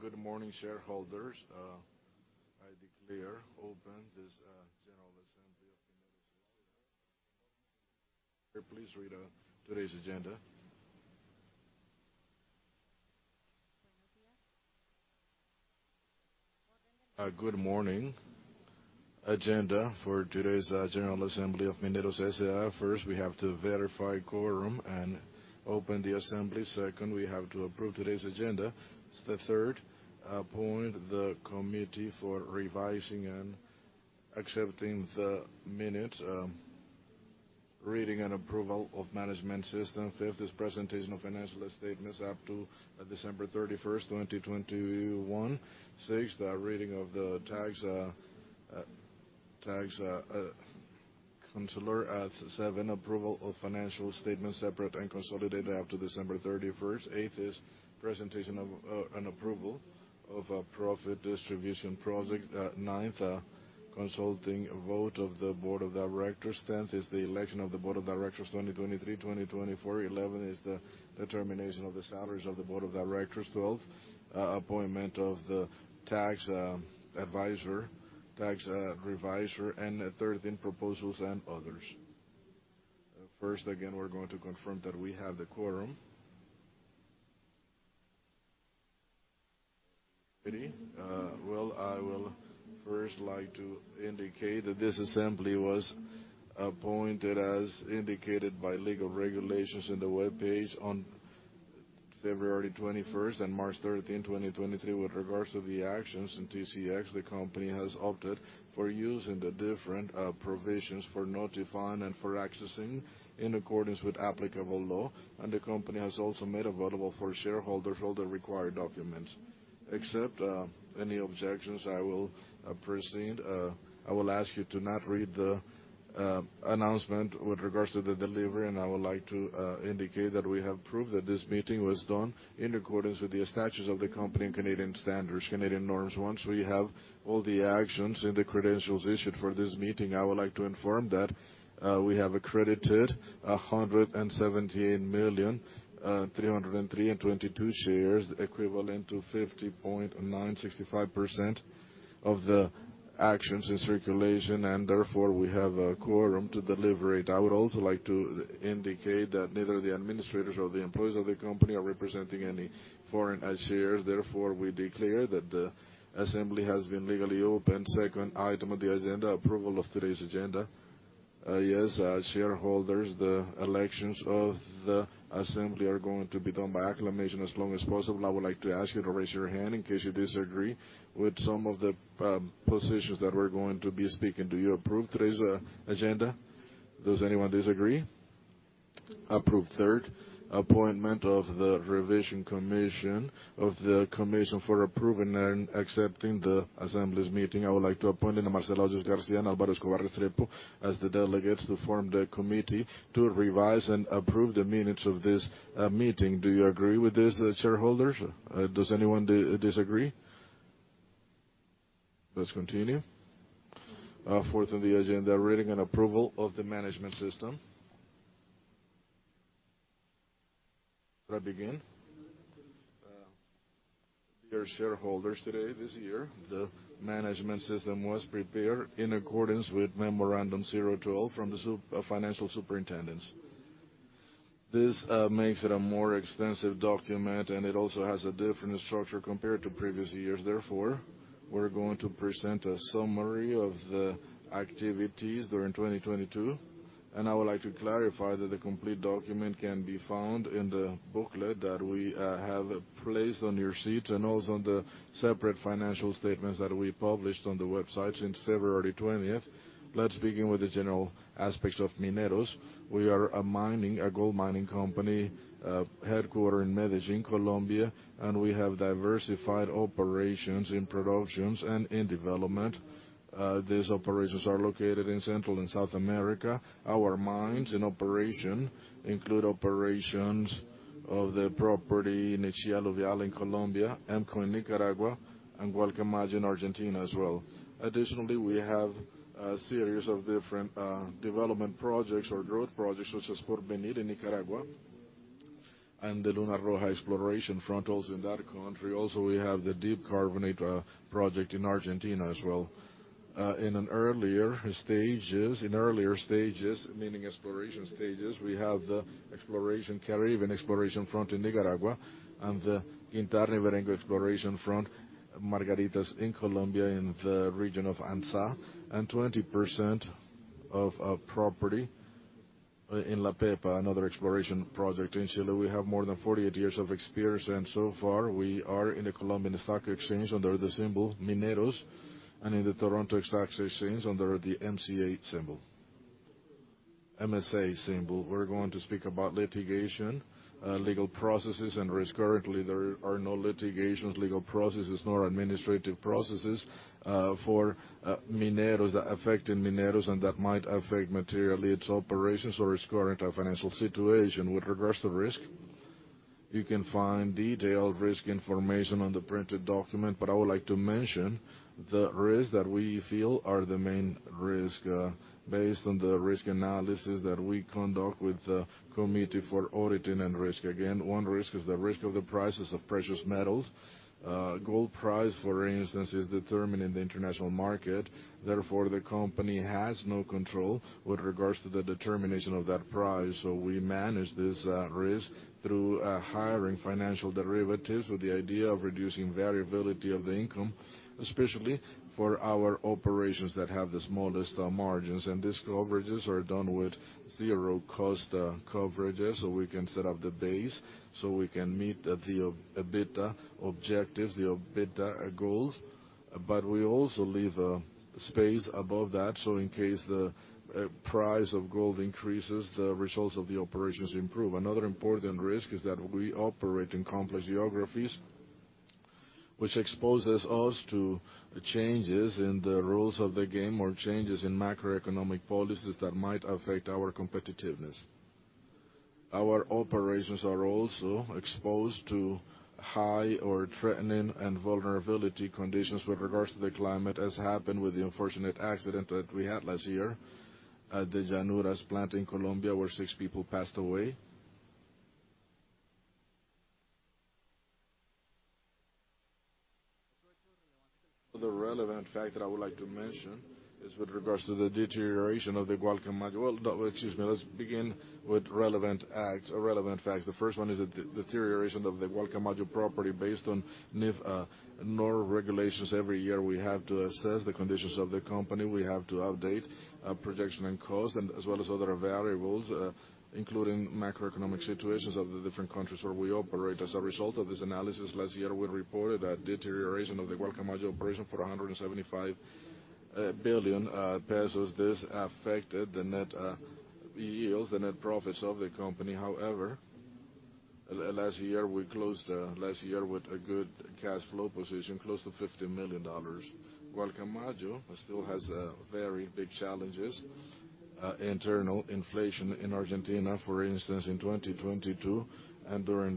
Good morning, shareholders. I declare open this general assembly of Mineros S.A. Please read today's agenda. Good morning. Good morning. Agenda for today's general assembly of Mineros S.A. First, we have to verify quorum and open the assembly. Second, we have to approve today's agenda. Third, appoint the committee for revising and accepting the minutes, reading and approval of management system. Fifth is presentation of financial statements up to December 31st, 2021. Sixth, the reading of the tax counselor. Seventh, approval of financial statements separate and consolidated up to December 31st. Eighth is presentation of an approval of a profit distribution project. Ninth, consulting vote of the board of directors. 10th is the election of the board of directors, 2023, 2024. 11th is the determination of the salaries of the board of directors. 12th, appointment of the tax advisor, tax reviser. 13th, proposals and others. First, again, we're going to confirm that we have the quorum. Ready? Well, I will first like to indicate that this assembly was appointed as indicated by legal regulations in the webpage on February 21st and March 13th, 2023. With regards to the actions in TSX, the company has opted for using the different provisions for notifying and for accessing in accordance with applicable law. The company has also made available for shareholders all the required documents. Except any objections, I will proceed. I will ask you to not read the announcement with regards to the delivery, and I would like to indicate that we have proof that this meeting was done in accordance with the statutes of the company and Canadian standards, Canadian norms. Once we have all the actions and the credentials issued for this meeting, I would like to inform that we have accredited 178 million 303,022 shares, equivalent to 50.965% of the actions in circulation, therefore, we have a quorum to deliver it. I would also like to indicate that neither the administrators or the employees of the company are representing any foreign shares. Therefore, we declare that the assembly has been legally open. Second item of the agenda, approval of today's agenda. Yes, as shareholders, the elections of the assembly are going to be done by acclamation as long as possible. I would like to ask you to raise your hand in case you disagree with some of the positions that we're going to be speaking. Do you approve today's agenda? Does anyone disagree? Approved. Third, appointment of the revision commission, of the commission for approving and accepting the assembly's meeting. I would like to appoint Ana Marcela Díaz García and Álvaro Escobar Restrepo as the delegates to form the committee to revise and approve the minutes of this meeting. Do you agree with this, the shareholders? Does anyone disagree? Let's continue. Fourth on the agenda, reading and approval of the management system. Shall I begin? Dear shareholders, today, this year, the management system was prepared in accordance with Memorando 012 from the financial superintendents. This makes it a more extensive document, and it also has a different structure compared to previous years. We're going to present a summary of the activities during 2022. I would like to clarify that the complete document can be found in the booklet that we have placed on your seat, and also on the separate financial statements that we published on the website since February 20th. Let's begin with the general aspects of Mineros S.A. We are a gold mining company headquartered in Medellín, Colombia, and we have diversified operations in productions and in development. These operations are located in Central and South America. Our mines in operation include operations of the property in Nechí Alluvial in Colombia, HEMCO in Nicaragua, and Gualcamayo in Argentina as well. Additionally, we have a series of different development projects or growth projects such as Porvenir in Nicaragua and the Luna Roja exploration frontals in that country. We have the Deep Carbonates Project in Argentina as well. In earlier stages, meaning exploration stages, we have the exploration, Caribbean exploration front in Nicaragua and the Guintär-Niverengo exploration front, Margaritas in Colombia in the region of Anzá. 20% of a property in La Pepa, another exploration project in Chile. We have more than 48 years of experience. So far, we are in the Colombian Stock Exchange under the symbol Mineros and in the Toronto Stock Exchange under the MSA symbol. We're going to speak about litigation, legal processes and risk. Currently, there are no litigations, legal processes, nor administrative processes for Mineros that affect Mineros and that might affect materially its operations or its current financial situation. With regards to risk. You can find detailed risk information on the printed document, I would like to mention the risks that we feel are the main risk, based on the risk analysis that we conduct with the Audit and Risk Committee. One risk is the risk of the prices of precious metals. Gold price, for instance, is determined in the international market. The company has no control with regards to the determination of that price. We manage this risk through hiring financial derivatives with the idea of reducing variability of the income, especially for our operations that have the smallest margins. These coverages are done with zero cost coverages, so we can set up the base, so we can meet the EBITDA objectives, the EBITDA goals. We also leave a space above that, so in case the price of gold increases, the results of the operations improve. Another important risk is that we operate in complex geographies, which exposes us to changes in the rules of the game or changes in macroeconomic policies that might affect our competitiveness. Our operations are also exposed to high or threatening and vulnerability conditions with regards to the climate, as happened with the unfortunate accident that we had last year at the Llanuras plant in Colombia, where six people passed away. The relevant fact that I would like to mention is with regards to the deterioration of the Gualcamayo. No. Excuse me. Let's begin with relevant acts or relevant facts. The first one is the deterioration of the Gualcamayo property based on NIIF NOR regulations. Every year, we have to assess the conditions of the company. We have to update, projection and cost, and as well as other variables, including macroeconomic situations of the different countries where we operate. As a result of this analysis, last year, we reported a deterioration of the Gualcamayo operation for COP 175 billion pesos. This affected the net yields, the net profits of the company. However, last year, we closed last year with a good cash flow position, close to $50 million. Gualcamayo still has very big challenges: internal inflation in Argentina, for instance, in 2022 and during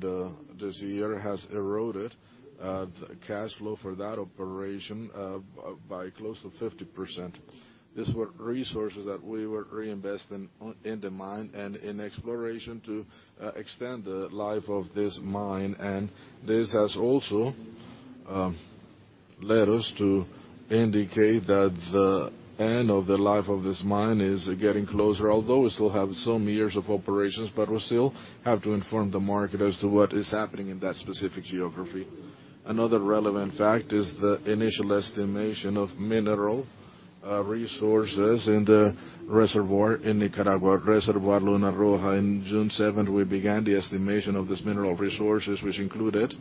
this year, has eroded the cash flow for that operation, by close to 50%. These were resources that we were reinvesting in the mine and in exploration to extend the life of this mine. This has also led us to indicate that the end of the life of this mine is getting closer. Although we still have some years of operations, but we still have to inform the market as to what is happening in that specific geography. Another relevant fact is the initial estimation of mineral resources in the reservoir in Nicaragua, Reservoir Luna Roja. In June 7th, we began the estimation of these mineral resources, which included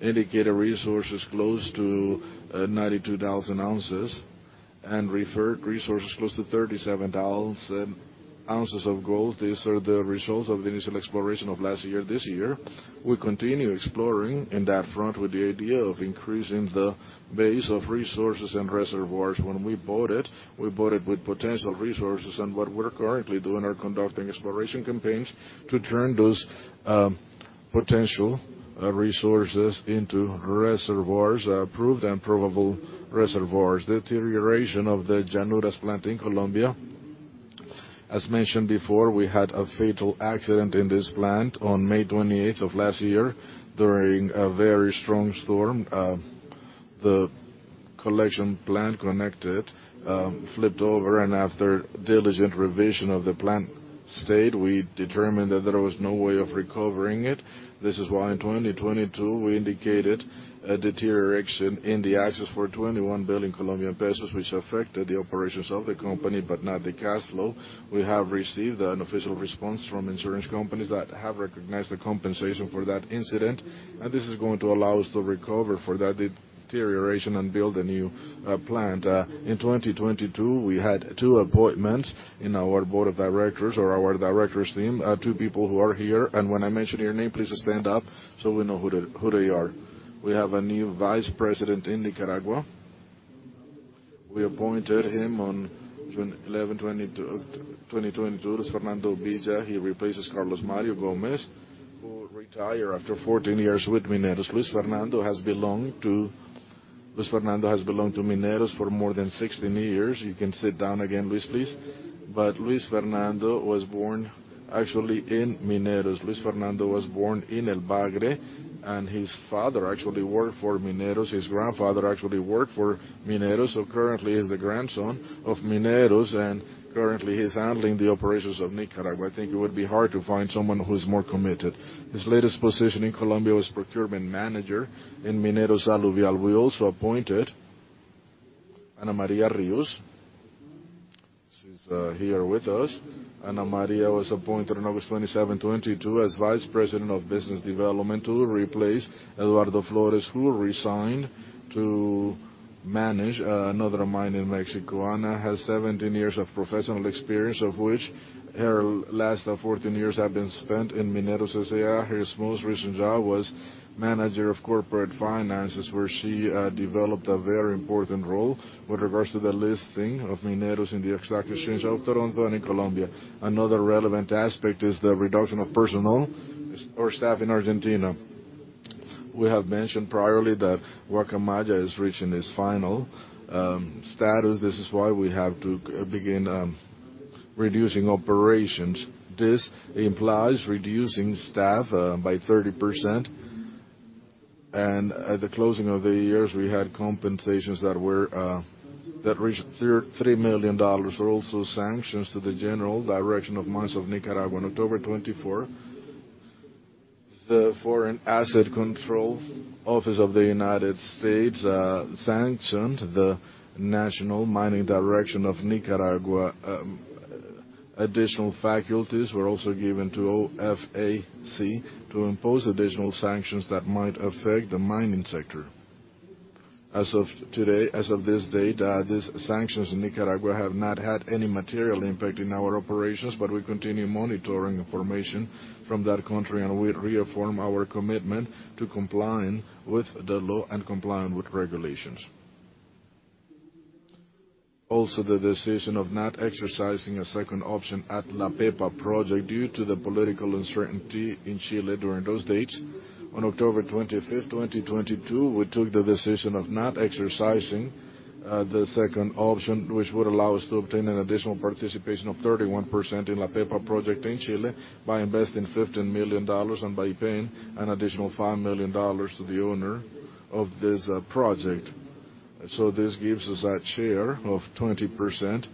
indicated resources close to 92,000 ounces and referred resources close to 37,000 ounces of gold. These are the results of the initial exploration of last year. This year, we continue exploring in that front with the idea of increasing the base of resources and reservoirs. What we're currently doing are conducting exploration campaigns to turn those potential resources into reservoirs, proved and probable reservoirs. Deterioration of the Llanuras plant in Colombia. As mentioned before, we had a fatal accident in this plant on May 28th of last year during a very strong storm. The collection plant connected, flipped over, and after diligent revision of the plant state, we determined that there was no way of recovering it. This is why in 2022 we indicated a deterioration in the access for 21 billion Colombian pesos, which affected the operations of the company but not the cash flow. We have received an official response from insurance companies that have recognized the compensation for that incident, and this is going to allow us to recover for that deterioration and build a new plant. In 2022, we had two appointments in our board of directors or our directors team, two people who are here. When I mention your name, please stand up so we know who they are. We have a new vice president in Nicaragua. We appointed him on 11/20/2022, Luis Fernando Villa. He replaces Carlos Mario Gomez, who retire after 14 years with Mineros. Luis Fernando has belonged to Mineros for more than 16 years. You can sit down again, Luis, please. Luis Fernando was born actually in Mineros. Luis Fernando was born in El Bagre. His father actually worked for Mineros. His grandfather actually worked for Mineros. Currently, he's the grandson of Mineros, and currently, he's handling the operations of Nicaragua. I think it would be hard to find someone who's more committed. His latest position in Colombia was procurement manager in Mineros Aluvial. We also appointed Ana María Ríos. She's here with us. Ana María was appointed on August 27, 2022, as Vice President of Business Development to replace Eduardo Flores, who resigned to manage another mine in Mexico. Ana has 17 years of professional experience, of which her last 14 years have been spent in Mineros S.A. Her most recent job was manager of corporate finances, where she developed a very important role with regards to the listing of Mineros in the exact exchange of Toronto and in Colombia. Another relevant aspect is the reduction of personnel or staff in Argentina. We have mentioned priorly that Gualcamayo is reaching its final status. This is why we have to begin reducing operations. This implies reducing staff by 30%. At the closing of the years, we had compensations that were that reached $3 million. Were also sanctions to the General Directorate of Mines of Nicaragua on October 24th. The Office of Foreign Assets Control of the United States sanctioned the General Directorate of Mines of Nicaragua. Additional faculties were also given to OFAC to impose additional sanctions that might affect the mining sector. As of today, as of this date, these sanctions in Nicaragua have not had any material impact in our operations, but we continue monitoring information from that country, and we reaffirm our commitment to complying with the law and complying with regulations. The decision of not exercising a second option at La Pepa project due to the political uncertainty in Chile during those dates. On October 25, 2022, we took the decision of not exercising the second option, which would allow us to obtain an additional participation of 31% in La Pepa project in Chile by investing $15 million and by paying an additional $5 million to the owner of this project. This gives us a share of 20%,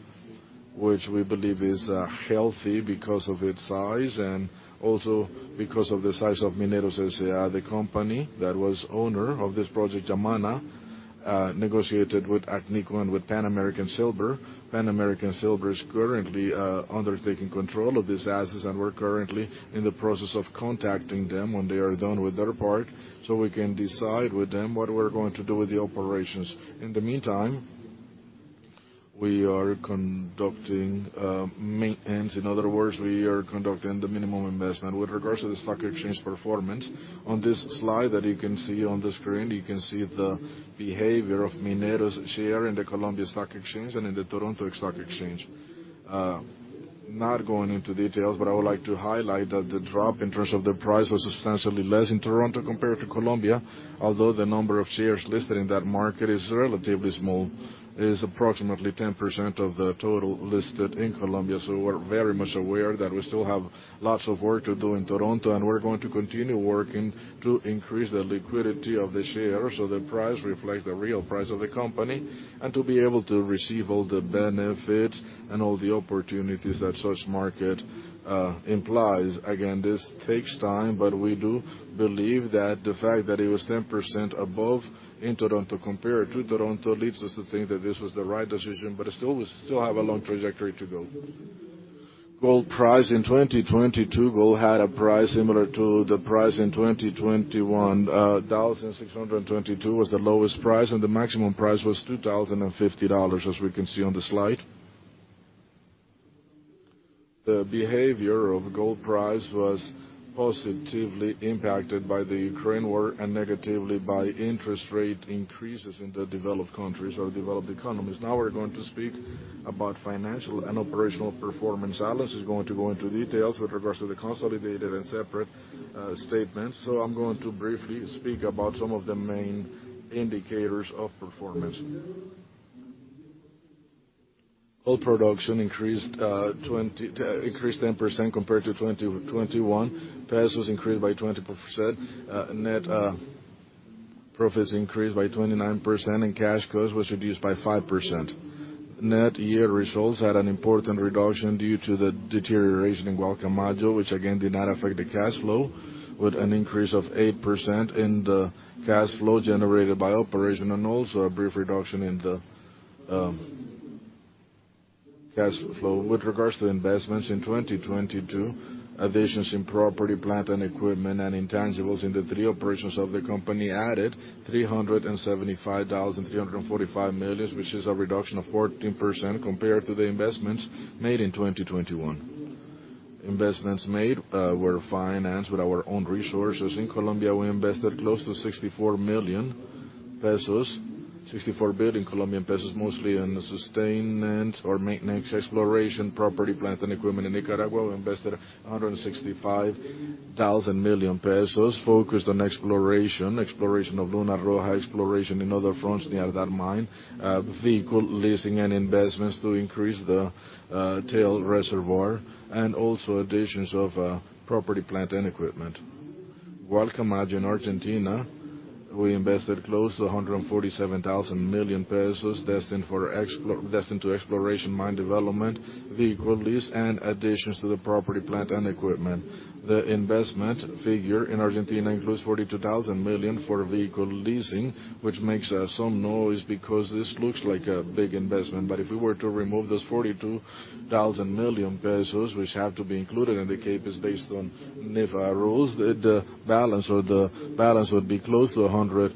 which we believe is healthy because of its size and also because of the size of Mineros S.A., the company that was owner of this project, Yamana, negotiated with Agnico and with Pan American Silver. Pan American Silver is currently undertaking control of these assets, and we're currently in the process of contacting them when they are done with their part, so we can decide with them what we're going to do with the operations. In the meantime, we are conducting maintenance. In other words, we are conducting the minimum investment. With regards to the stock exchange performance, on this slide that you can see on the screen, you can see the behavior of Mineros' share in the Colombia Stock Exchange and in the Toronto Stock Exchange. Not going into details, but I would like to highlight that the drop in terms of the price was substantially less in Toronto compared to Colombia, although the number of shares listed in that market is relatively small. It is approximately 10% of the total listed in Colombia. We're very much aware that we still have lots of work to do in Toronto, and we're going to continue working to increase the liquidity of the shares, so the price reflects the real price of the company, and to be able to receive all the benefit and all the opportunities that such market implies. Again, this takes time, but we do believe that the fact that it was 10% above in Toronto compared to Toronto leads us to think that this was the right decision, but it still have a long trajectory to go. Gold price in 2022, gold had a price similar to the price in 2021. 1,622 was the lowest price, and the maximum price was $2,050, as we can see on the slide. The behavior of gold price was positively impacted by the Ukraine war and negatively by interest rate increases in the developed countries or developed economies. Now we're going to speak about financial and operational performance. Alice is going to go into details with regards to the consolidated and separate statements. I'm going to briefly speak about some of the main indicators of performance. Gold production increased 10% compared to 2021. Peso was increased by 20%. Net profits increased by 29%, and cash cost was reduced by 5%. Net year results had an important reduction due to the deterioration in Gualcamayo, which again did not affect the cash flow, with an increase of 8% in the cash flow generated by operation, and also a brief reduction in the cash flow. With regards to investments in 2022, additions in property, plant and equipment and intangibles in the three operations of the company added COP 375,345 million, which is a reduction of 14% compared to the investments made in 2021. Investments made were financed with our own resources. In Colombia, we invested close to COP 64 billion Colombian pesos, mostly in the sustainment or maintenance, exploration, property, plant and equipment. In Nicaragua, we invested COP 165 thousand million focused on exploration of Luna Roja, exploration in other fronts near that mine, vehicle leasing and investments to increase the tail reservoir, and also additions of property, plant and equipment. Gualcamayo in Argentina, we invested close to COP 147 thousand million destined to exploration mine development, vehicle lease, and additions to the property, plant and equipment. The investment figure in Argentina includes COP 42 thousand million for vehicle leasing, which makes some noise because this looks like a big investment. If we were to remove those COP 42 thousand million, which have to be included and the CAPEX based on NIIF rules, the balance would be close to COP 100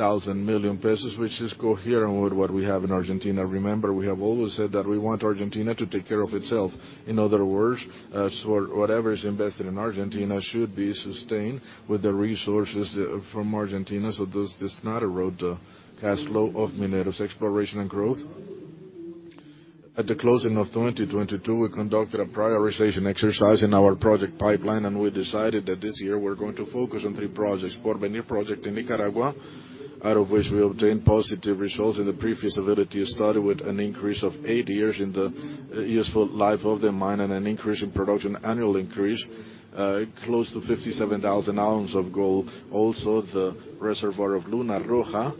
thousand million, which is coherent with what we have in Argentina. Remember, we have always said that we want Argentina to take care of itself. In other words, whatever is invested in Argentina should be sustained with the resources from Argentina. This does not erode the cash flow of Mineros' exploration and growth. At the closing of 2022, we conducted a prioritization exercise in our project pipeline, and we decided that this year we're going to focus on three projects. Porvenir project in Nicaragua, out of which we obtained positive results in the pre-feasibility study with an increase of eight years in the useful life of the mine and an increase in production, annual increase, close to 57,000 ounces of gold. Also, the reservoir of Luna Roja,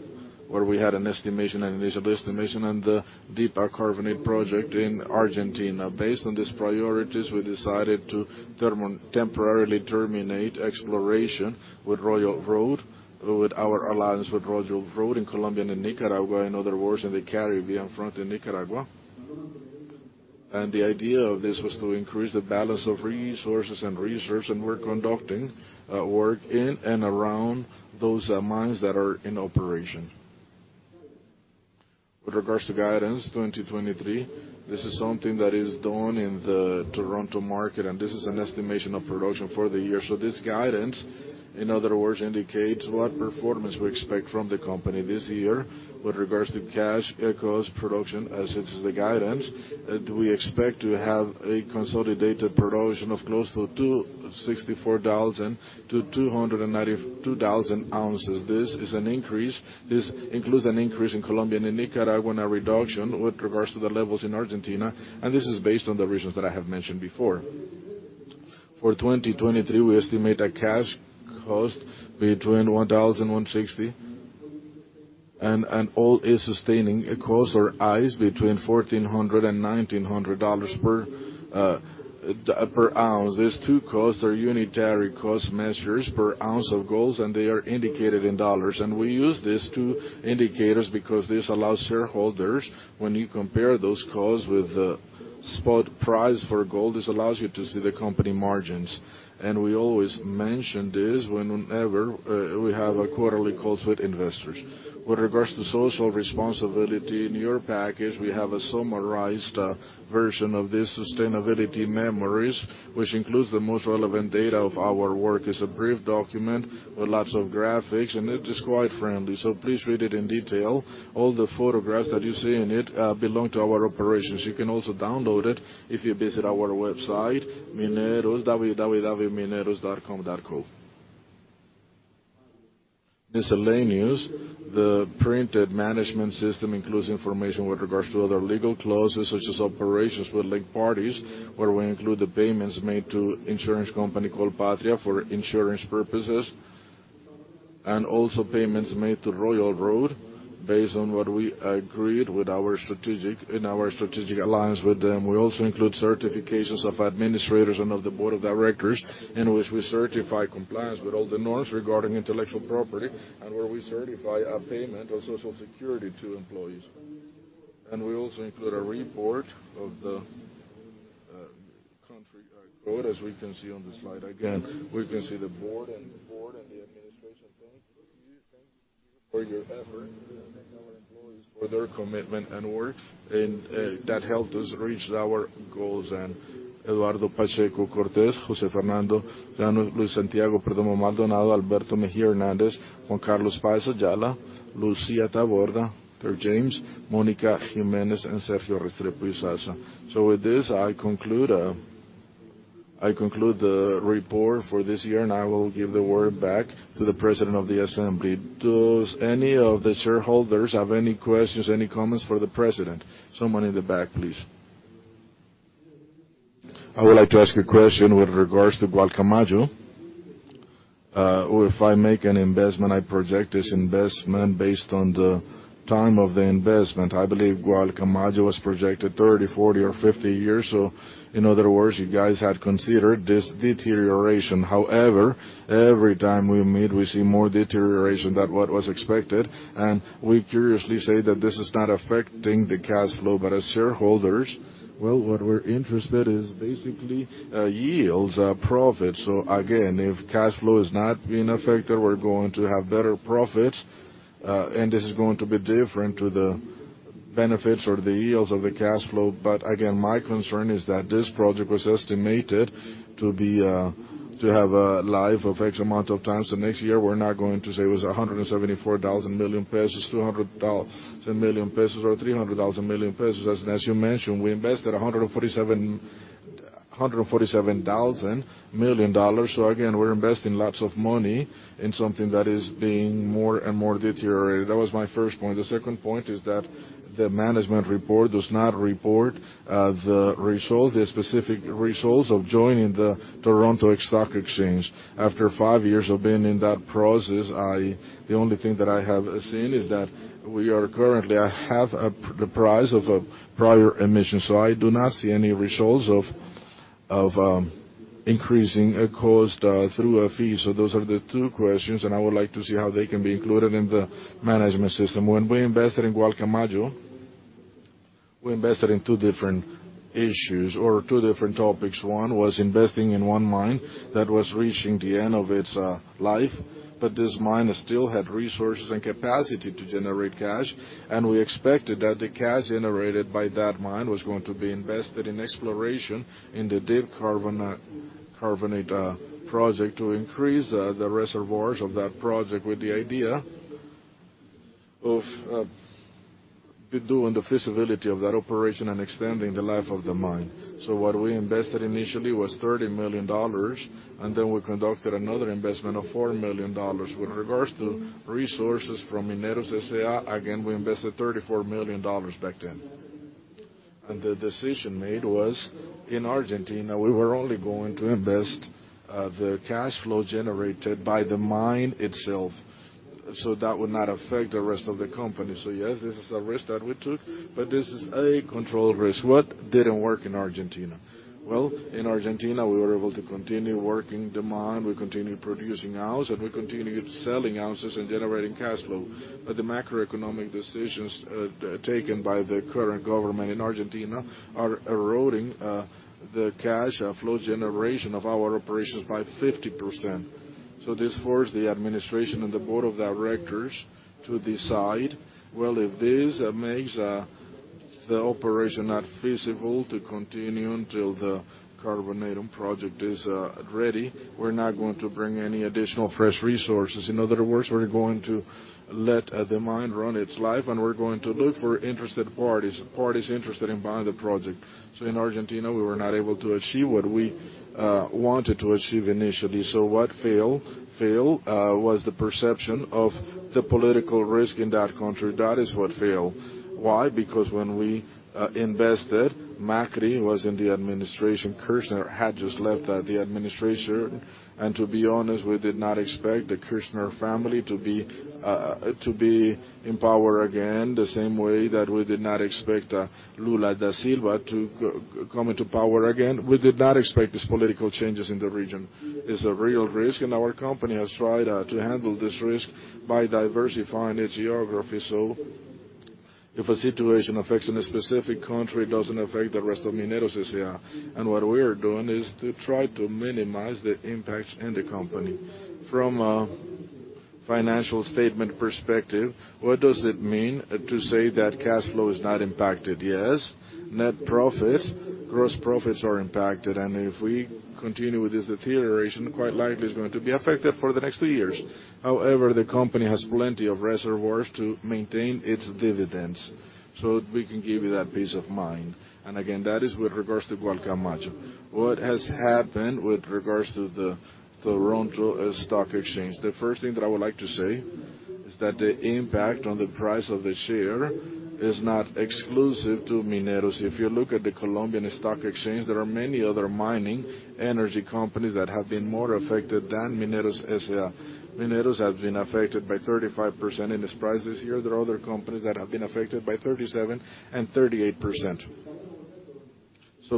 where we had an estimation, an initial estimation, and the Deep Carbonates Project in Argentina. Based on these priorities, we decided to temporarily terminate exploration with Royal Road, with our alliance with Royal Road in Colombia and in Nicaragua, in other words, in the Caribbean Front in Nicaragua. The idea of this was to increase the balance of resources and reserves, and we're conducting work in and around those mines that are in operation. With regards to guidance 2023, this is something that is done in the Toronto market, this is an estimation of production for the year. This guidance, in other words, indicates what performance we expect from the company this year. With regards to cash cost production, as such as the guidance, do we expect to have a consolidated production of close to 264,000-292,000 ounces. This is an increase. This includes an increase in Colombia and in Nicaragua, and a reduction with regards to the levels in Argentina, and this is based on the reasons that I have mentioned before. For 2023, we estimate a cash cost between $1,060 and an all-in sustaining costs or AISC between $1,400 and $1,900 per ounce. These two costs are unitary cost measures per ounce of gold, and they are indicated in dollars. We use these two indicators because this allows shareholders, when you compare those costs with the spot price for gold, this allows you to see the company margins. We always mention this whenever we have a quarterly call with investors. With regards to social responsibility, in your package, we have a summarized version of these sustainability memories, which includes the most relevant data of our work. It's a brief document with lots of graphics, and it is quite friendly, so please read it in detail. All the photographs that you see in it belong to our operations. You can also download it if you visit our website, Mineros, www.mineros.com.co. Miscellaneous. The printed management system includes information with regards to other legal clauses such as operations with linked parties, where we include the payments made to insurance company called Patria for insurance purposes, and also payments made to Royal Road based on what we agreed with our strategic alliance with them. We also include certifications of administrators and of the board of directors, in which we certify compliance with all the norms regarding intellectual property, and where we certify a payment of Social Security to employees. We also include a report of the Código País. As we can see on the slide again, we can see the board and the administration team. For your effort and our employees for their commitment and work and that helped us reach our goals. Eduardo Pacheco Cortés, José Fernando Llano, Luis Santiago Perdomo Maldonado, Alberto Mejía Hernández, Juan Carlos Páez Ayala, Lucía Taborda, Dirk James, Mónica Jiménez, and Sergio Restrepo Isaza. With this, I conclude the report for this year, and I will give the word back to the president of the assembly. Does any of the shareholders have any questions, any comments for the president? Someone in the back, please. I would like to ask a question with regards to Gualcamayo. If I make an investment, I project this investment based on the time of the investment. I believe Gualcamayo was projected 30, 40 or 50 years. In other words, you guys had considered this deterioration. However, every time we meet, we see more deterioration than what was expected. We curiously say that this is not affecting the cash flow, but as shareholders, well, what we're interested is basically, yields, profit. Again, if cash flow is not being affected, we're going to have better profits, and this is going to be different to the benefits or the yields of the cash flow. Again, my concern is that this project was estimated to be to have a life of X amount of times. Next year we're not going to say it was COP 174,000 million, COP 200,000 million, or COP 300,000 million. As you mentioned, we invested $147,000 million. Again, we're investing lots of money in something that is being more and more deteriorated. That was my first point. The second point is that the management report does not report the results, the specific results of joining the Toronto Stock Exchange. After five years of being in that process, the only thing that I have seen is that we are currently at half of the price of a prior emission. I do not see any results of increasing cost through a fee. Those are the two questions, and I would like to see how they can be included in the management system. When we invested in Gualcamayo, we invested in two different issues or two different topics. One was investing in one mine that was reaching the end of its life, but this mine still had resources and capacity to generate cash. We expected that the cash generated by that mine was going to be invested in exploration in the Deep Carbonates Project to increase the reservoirs of that project with the idea of we're doing the feasibility of that operation and extending the life of the mine. What we invested initially was $30 million, and then we conducted another investment of $4 million. With regards to resources from Mineros S.A., again, we invested $34 million back then. The decision made was, in Argentina, we were only going to invest the cash flow generated by the mine itself, so that would not affect the rest of the company. Yes, this is a risk that we took, but this is a controlled risk. What didn't work in Argentina? Well, in Argentina, we were able to continue working the mine, we continued producing ounce, and we continued selling ounces and generating cash flow. The macroeconomic decisions taken by the current government in Argentina are eroding the cash flow generation of our operations by 50%. This forced the administration and the board of directors to decide, well, if this makes the operation not feasible to continue until the Carbonatos project is ready, we're not going to bring any additional fresh resources. In other words, we're going to let the mine run its life, and we're going to look for interested parties interested in buying the project. In Argentina, we were not able to achieve what we wanted to achieve initially. What failed? Failed was the perception of the political risk in that country. That is what failed. Why? Because when we invested, Macri was in the administration. Kirchner had just left the administration. To be honest, we did not expect the Kirchner family to be in power again, the same way that we did not expect Lula da Silva to come into power again. We did not expect these political changes in the region. It's a real risk, our company has tried to handle this risk by diversifying its geography. If a situation affects in a specific country, it doesn't affect the rest of Mineros S.A. What we are doing is to try to minimize the impacts in the company. From a financial statement perspective, what does it mean to say that cash flow is not impacted? Net profits, gross profits are impacted, and if we continue with this deterioration, quite likely it's going to be affected for the next two years. The company has plenty of reservoirs to maintain its dividends. We can give you that peace of mind. Again, that is with regards to Gualcamayo. What has happened with regards to the Toronto Stock Exchange? The first thing that I would like to say is that the impact on the price of the share is not exclusive to Mineros. If you look at the Colombian Stock Exchange, there are many other mining energy companies that have been more affected than Mineros S.A. Mineros has been affected by 35% in its price this year. There are other companies that have been affected by 37% and 38%.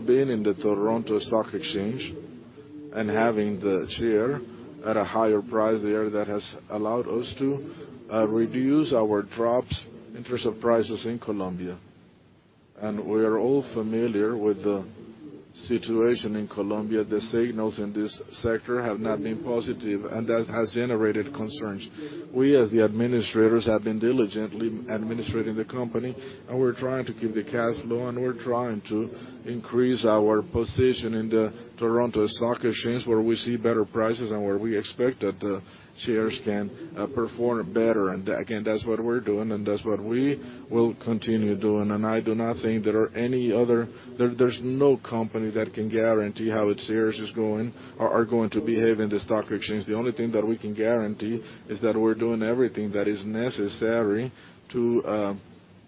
Being in the Toronto Stock Exchange and having the share at a higher price there, that has allowed us to reduce our drops into surprises in Colombia. We are all familiar with the situation in Colombia. The signals in this sector have not been positive, and that has generated concerns. We, as the administrators, have been diligently administrating the company, and we're trying to keep the cash flow, and we're trying to increase our position in the Toronto Stock Exchange, where we see better prices and where we expect that the shares can perform better. Again, that's what we're doing, and that's what we will continue doing. I do not think there are any other... There's no company that can guarantee how its shares is going or are going to behave in the stock exchange. The only thing that we can guarantee is that we're doing everything that is necessary to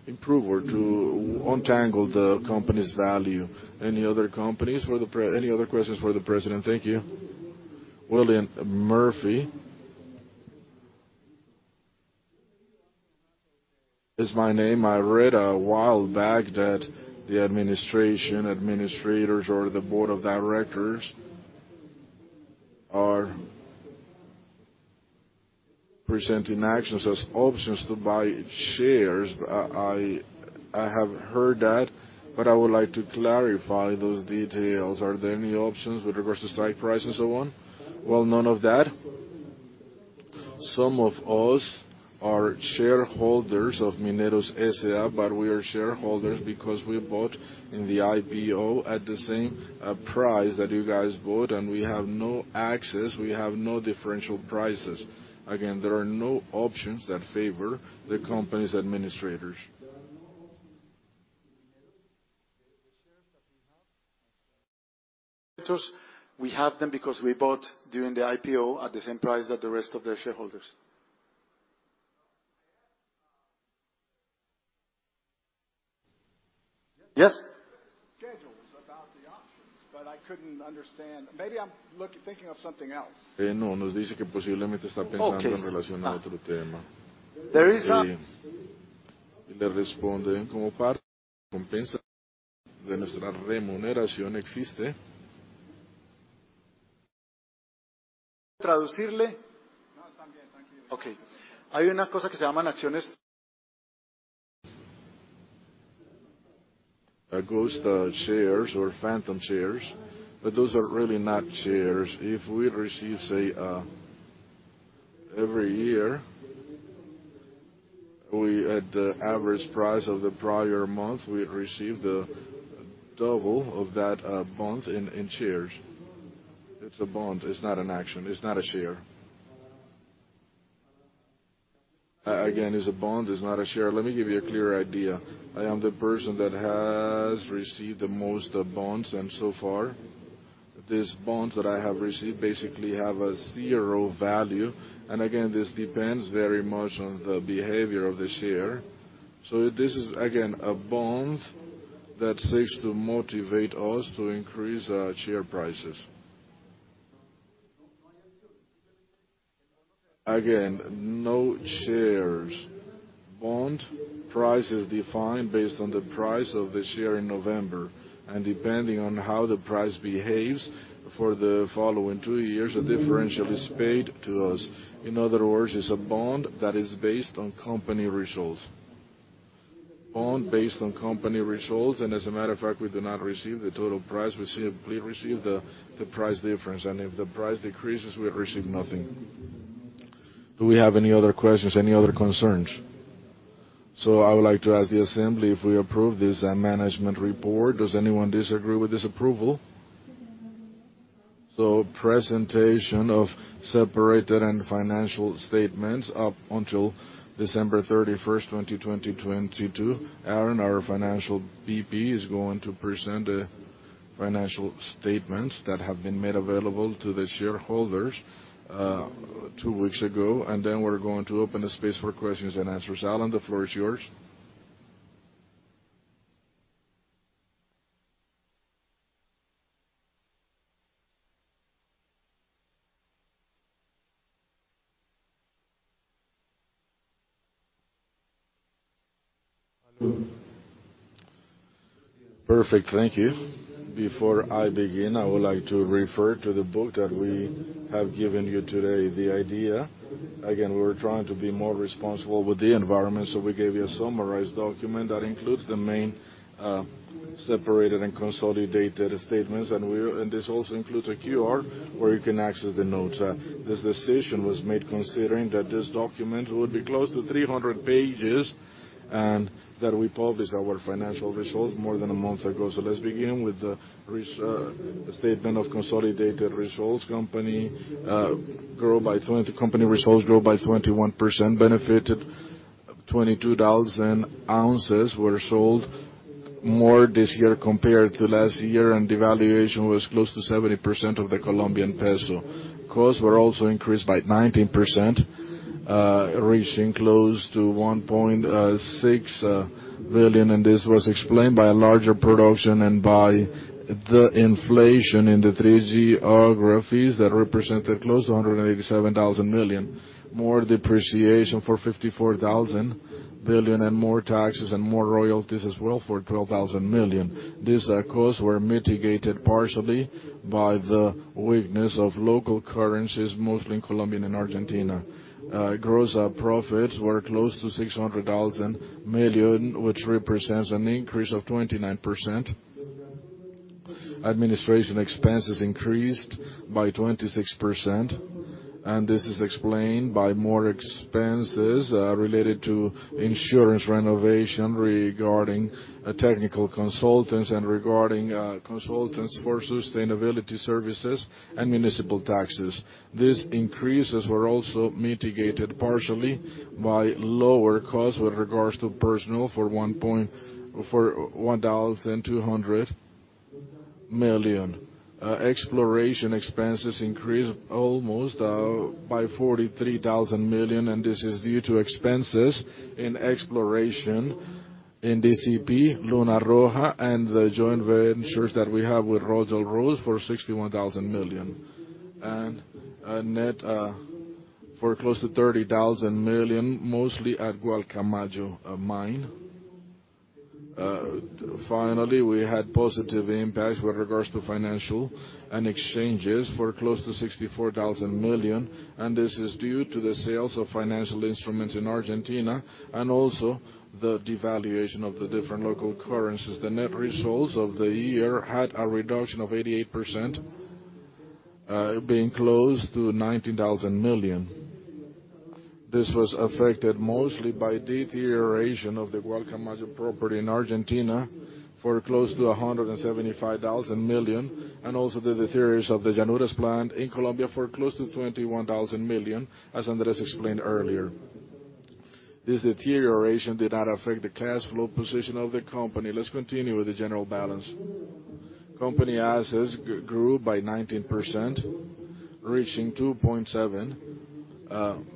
improve or to untangle the company's value. Any other questions for the President? Thank you. William Murphy is my name. I read a while back that the administration, administrators or the board of directors are presenting actions as options to buy shares. I have heard that, but I would like to clarify those details. Are there any options with regards to site price and so on? Well, none of that. Some of us are shareholders of Mineros S.A., but we are shareholders because we bought in the IPO at the same price that you guys bought, and we have no access, we have no differential prices. There are no options that favor the company's administrators. There are no options in Mineros. The shares that we have as directors, we have them because we bought during the IPO at the same price that the rest of the shareholders. Yes? Schedules about the options, I couldn't understand. Maybe I'm thinking of something else. No. Okay. There is Okay. Ghost shares or phantom shares, those are really not shares. If we receive, say, every year, we, at the average price of the prior month, we receive the double of that month in shares. It's a bond. It's not an action. It's not a share. Again, it's a bond, it's not a share. Let me give you a clearer idea. I am the person that has received the most bonds, and so far, these bonds that I have received basically have a zero value. Again, this depends very much on the behavior of the share. This is, again, a bond that seeks to motivate us to increase our share prices. Again, no shares. Bond price is defined based on the price of the share in November, and depending on how the price behaves for the following two years, a differential is paid to us. In other words, it's a bond that is based on company results. Bond based on company results, and as a matter of fact, we do not receive the total price. We simply receive the price difference. If the price decreases, we receive nothing. Do we have any other questions, any other concerns? I would like to ask the assembly if we approve this management report. Does anyone disagree with this approval? Presentation of separated and financial statements up until December 31st, 2022. Alan, our Financial VP, is going to present the financial statements that have been made available to the shareholders two weeks ago. We're going to open the space for questions and answers. Alan, the floor is yours. Hello. Perfect. Thank you. Before I begin, I would like to refer to the book that we have given you today, the idea. Again, we're trying to be more responsible with the environment, so we gave you a summarized document that includes the main separated and consolidated statements. This also includes a QR where you can access the notes. This decision was made considering that this document would be close to 300 pages, and that we published our financial results more than a month ago. Let's begin with the statement of consolidated results. Company results grow by 21%, benefited 22,000 ounces were sold more this year compared to last year, and devaluation was close to 70% of the Colombian peso. Costs were also increased by 19%, reaching close to COP 1.6 billion, and this was explained by a larger production and by the inflation in the three geographies that represented close to COP 187,000 million. More depreciation for COP 54,000 million, and more taxes and more royalties as well for COP 12,000 million. These costs were mitigated partially by the weakness of local currencies, mostly in Colombia and Argentina. Gross profits were close to COP 600,000 million, which represents an increase of 29%. Administration expenses increased by 26%, and this is explained by more expenses related to insurance renovation regarding technical consultants and regarding consultants for sustainability services and municipal taxes. These increases were also mitigated partially by lower costs with regards to personal for COP 1,200 million. Exploration expenses increased almost by COP 43,000 million, and this is due to expenses in exploration in DCP, Luna Roja, and the joint ventures that we have with Royal Road Minerals for COP 61,000 million. A net for close to COP 30,000 million, mostly at Gualcamayo mine. Finally, we had positive impacts with regards to financial and exchanges for close to COP 64,000 million. This is due to the sales of financial instruments in Argentina. Also the devaluation of the different local currencies. The net results of the year had a reduction of 88%, being close to COP 19,000 million. This was affected mostly by deterioration of the Gualcamayo property in Argentina for close to COP 175,000 million. Also the deterioration of the Llanuras plant in Colombia for close to COP 21,000 million, as Andres explained earlier. This deterioration did not affect the cash flow position of the company. Let's continue with the general balance. Company assets grew by 19%, reaching COP 2.7 billion.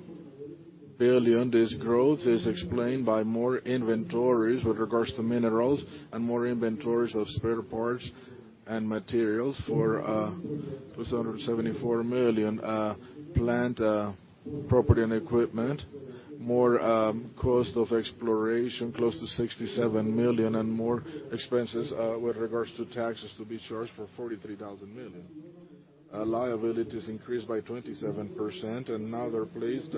This growth is explained by more inventories with regards to minerals and more inventories of spare parts and materials for COP 274 million, plant, property and equipment, more cost of exploration, close to COP 67 million, and more expenses with regards to taxes to be charged for COP 43,000 million. Liabilities increased by 27% and now they're placed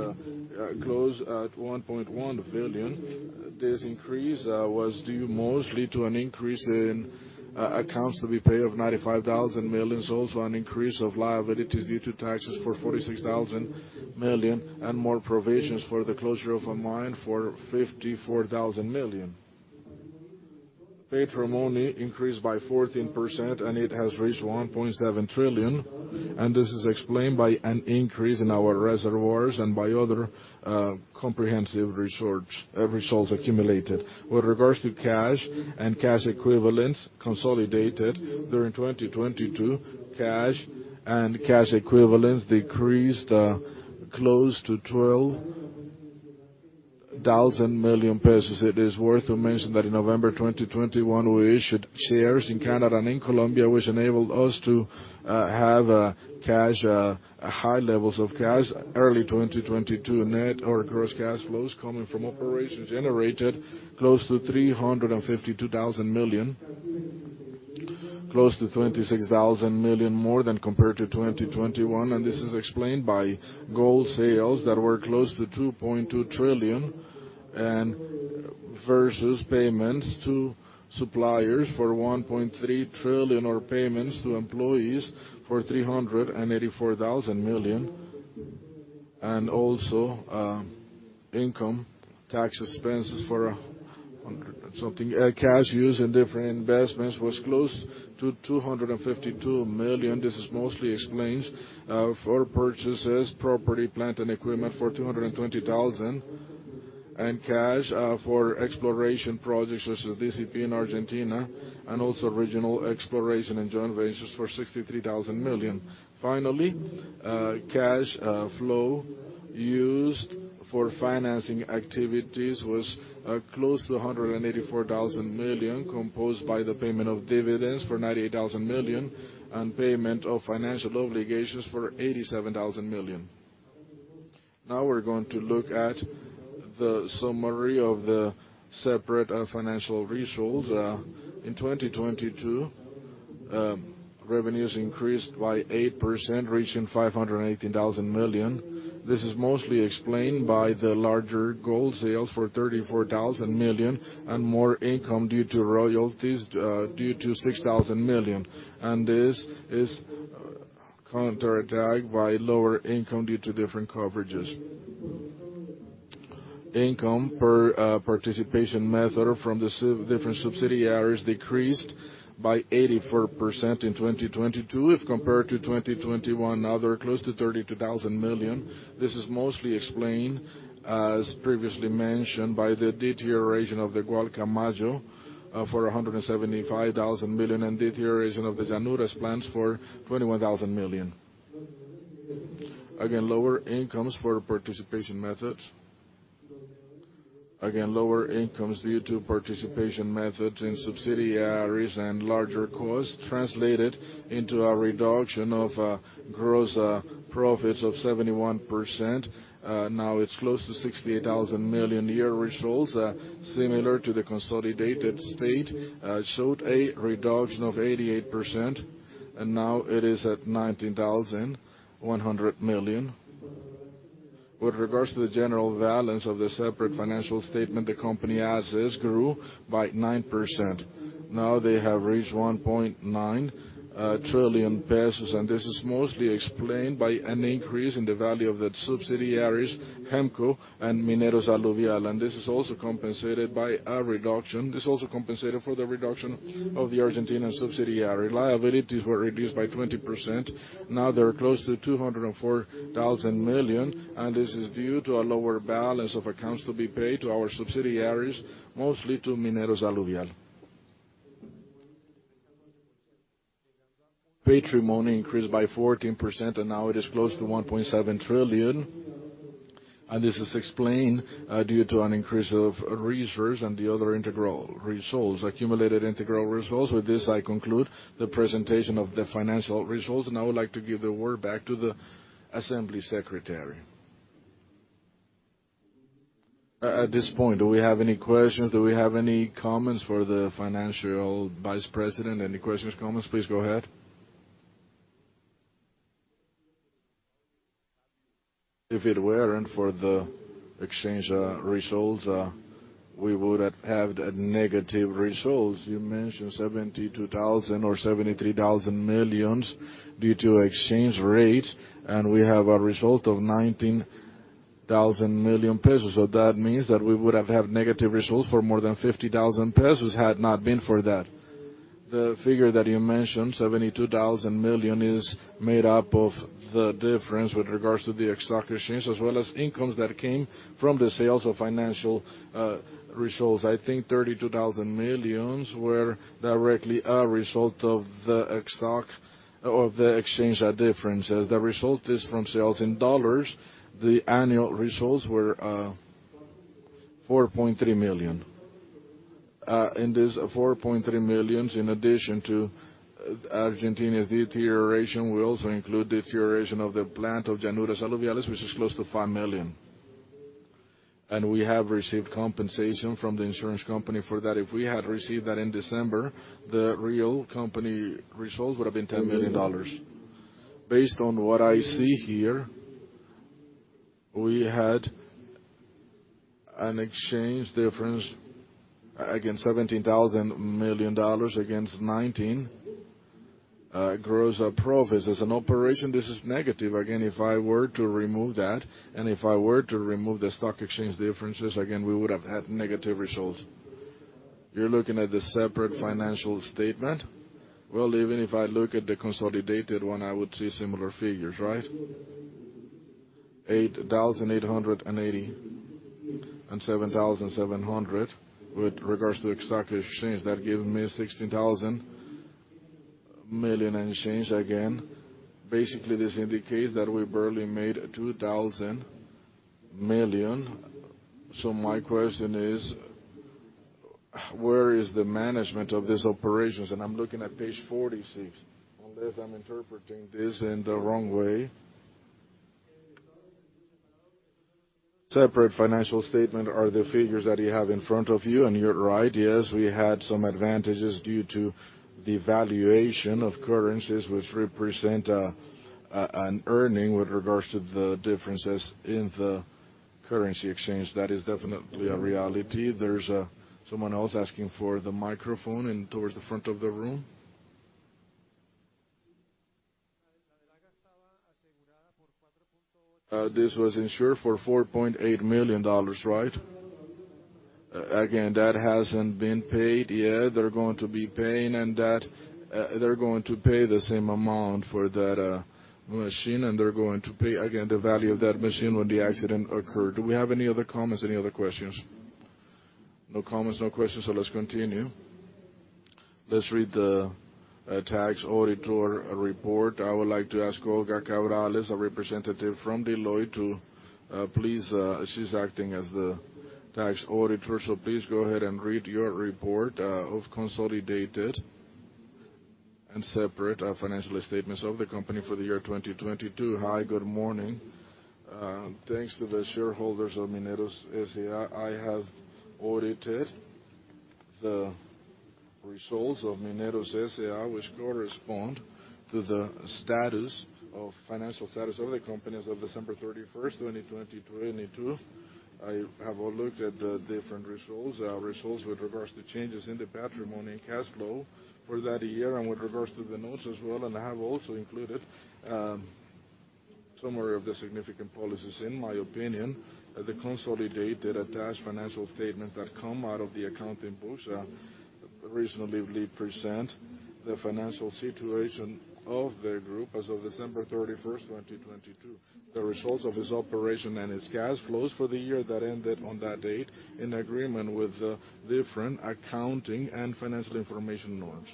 close at COP 1.1 billion. This increase was due mostly to an increase in accounts to be paid of COP 95,000 million. There's also an increase of liabilities due to taxes for COP 46,000 million and more provisions for the closure of a mine for COP 54,000 million. Patrimony increased by 14%, and it has reached COP 1.7 trillion. This is explained by an increase in our reservoirs and by other comprehensive results accumulated. With regards to cash and cash equivalents consolidated during 2022, cash and cash equivalents decreased close to COP 12,000 million. It is worth to mention that in November 2021, we issued shares in Canada and in Colombia, which enabled us to have a cash high levels of cash. Early 2022, net or gross cash flows coming from operations generated close to COP 352,000 million. Close to COP 26,000 million more than compared to 2021. This is explained by gold sales that were close to COP 2.2 trillion versus payments to suppliers for COP 1.3 trillion or payments to employees for COP 384,000 million. Also, income tax expenses for COP 100 something. Cash used in different investments was close to COP 252 million. This is mostly explains for purchases, property, plant, and equipment for COP 220,000. Cash for exploration projects such as DCP in Argentina and also regional exploration and joint ventures for COP 63,000 million. Finally, cash flow used for financing activities was close to COP 184,000 million, composed by the payment of dividends for COP 98,000 million and payment of financial obligations for COP 87,000 million. Now we're going to look at the summary of the separate financial results. In 2022, revenues increased by 8%, reaching COP 518,000 million. This is mostly explained by the larger gold sales for COP 34,000 million and more income due to royalties, due to COP 6,000 million. This is counterattack by lower income due to different coverages. Income per participation method from the different subsidiaries decreased by 84% in 2022 if compared to 2021, now they're close to COP 32,000 million. This is mostly explained, as previously mentioned, by the deterioration of the Gualcamayo, for COP 175,000 million and deterioration of the Llanuras plants for COP 21,000 million. Again, lower incomes due to participation methods in subsidiaries and larger costs translated into a reduction of gross profits of 71%. Now it's close to COP 68,000 million year results, similar to the consolidated state, showed a reduction of 88%, and now it is at COP 19,100 million. With regards to the general balance of the separate financial statement, the company as is grew by 9%. Now they have reached COP 1.9 trillion, this is mostly explained by an increase in the value of the subsidiaries HEMCO and Mineros Aluvial. This is also compensated for the reduction of the Argentinian subsidiary. Liabilities were reduced by 20%. Now they're close to COP 204 billion, this is due to a lower balance of accounts to be paid to our subsidiaries, mostly to Mineros Aluvial. Patrimony increased by 14%, now it is close to COP 1.7 trillion. This is explained due to an increase of reserves and the other integral results, accumulated integral results. With this, I conclude the presentation of the financial results, I would like to give the word back to the assembly secretary. At this point, do we have any questions? Do we have any comments for the Financial Vice President? Any questions, comments, please go ahead. If it weren't for the exchange results, we would have had negative results. You mentioned COP 72,000 million or COP 73,000 million due to exchange rate. We have a result of COP 19,000 million pesos. That means that we would have had negative results for more than COP 50,000 pesos had not been for that. The figure that you mentioned, COP 72,000 million, is made up of the difference with regards to the stock exchange, as well as incomes that came from the sales of financial results. I think COP 32,000 million were directly a result of the exchange differences. The result is from sales in dollars. The annual results were $4.3 million. In this $4.3 million, in addition to Argentina's deterioration, we also include deterioration of the plant of Llanuras Aluviales, which is close to $5 million. We have received compensation from the insurance company for that. If we had received that in December, the real company results would have been $10 million. Based on what I see here, we had an exchange difference against $17 billion against $19. Gross profit. As an operation, this is negative. Again, if I were to remove that, and if I were to remove the stock exchange differences, again, we would have had negative results. You're looking at the separate financial statement. Even if I look at the consolidated one, I would see similar figures, right? 8,880 and 7,700 with regards to the stock exchange. That give me COP 16,000 million and change again. Basically, this indicates that we barely made COP 2,000 million. My question is, where is the management of these operations? I'm looking at page 46, unless I'm interpreting this in the wrong way. Separate financial statement are the figures that you have in front of you, and you're right. Yes, we had some advantages due to the valuation of currencies, which represent an earning with regards to the differences in the currency exchange. That is definitely a reality. There's someone else asking for the microphone in towards the front of the room. This was insured for COP 4.8 million, right? Again, that hasn't been paid yet. They're going to be paying and that, they're going to pay the same amount for that machine, and they're going to pay, again, the value of that machine when the accident occurred. Do we have any other comments? Any other questions? No comments, no questions, let's continue. Let's read the tax auditor report. I would like to ask Olga Cabrales, a representative from Deloitte, to please go ahead and read your report of consolidated and separate financial statements of the company for the year 2022. Hi, good morning. Thanks to the shareholders of Mineros S.A., I have audited the results of Mineros S.A., which correspond to the status of financial status of the company as of December 31st, 2022. I have looked at the different results with regards to changes in the patrimony and cash flow for that year and with regards to the notes as well, I have also included a summary of the significant policies. In my opinion, the consolidated attached financial statements that come out of the account in Bolsa reasonably present the financial situation of the group as of December 31st, 2022. The results of its operation and its cash flows for the year that ended on that date in agreement with the different accounting and financial information norms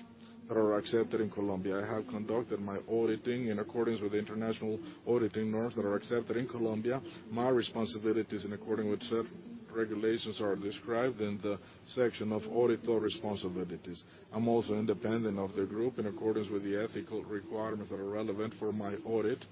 that are accepted in Colombia. I have conducted my auditing in accordance with the international auditing norms that are accepted in Colombia. My responsibilities in according with certain regulations are described in the section of auditor responsibilities. I'm also independent of the group in accordance with the ethical requirements that are relevant for my audit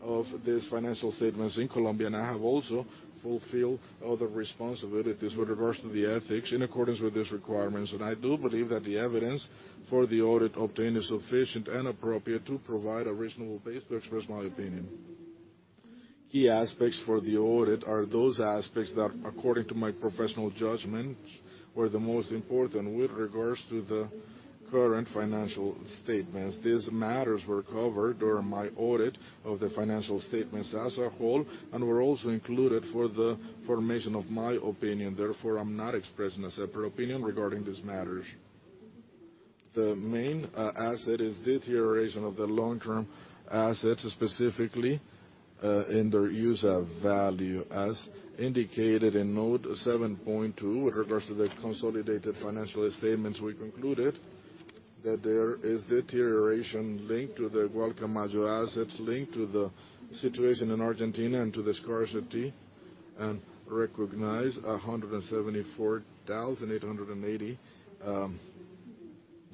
of these financial statements in Colombia. I have also fulfilled other responsibilities with regards to the ethics in accordance with these requirements. I do believe that the evidence for the audit obtained is sufficient and appropriate to provide a reasonable base to express my opinion. Key aspects for the audit are those aspects that, according to my professional judgment, were the most important with regards to the current financial statements. These matters were covered during my audit of the financial statements as a whole and were also included for the formation of my opinion. Therefore, I'm not expressing a separate opinion regarding these matters. The main asset is deterioration of the long-term assets, specifically, in their use of value. As indicated in note 7.2, with regards to the consolidated financial statements, we concluded that there is deterioration linked to the Gualcamayo assets linked to the situation in Argentina and to the scarcity, and recognize $174,880,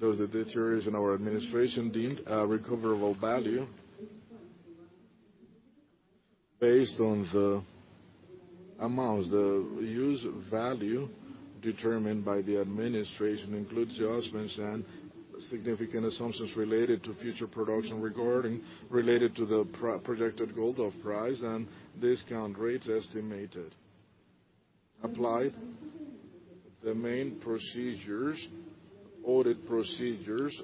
those that deteriorate in our administration deemed a recoverable value. Based on the amounts, the use value determined by the administration includes adjustments and significant assumptions related to future production regarding related to the pro-projected gold of price and discount rates estimated. Applied the main procedures, audit procedures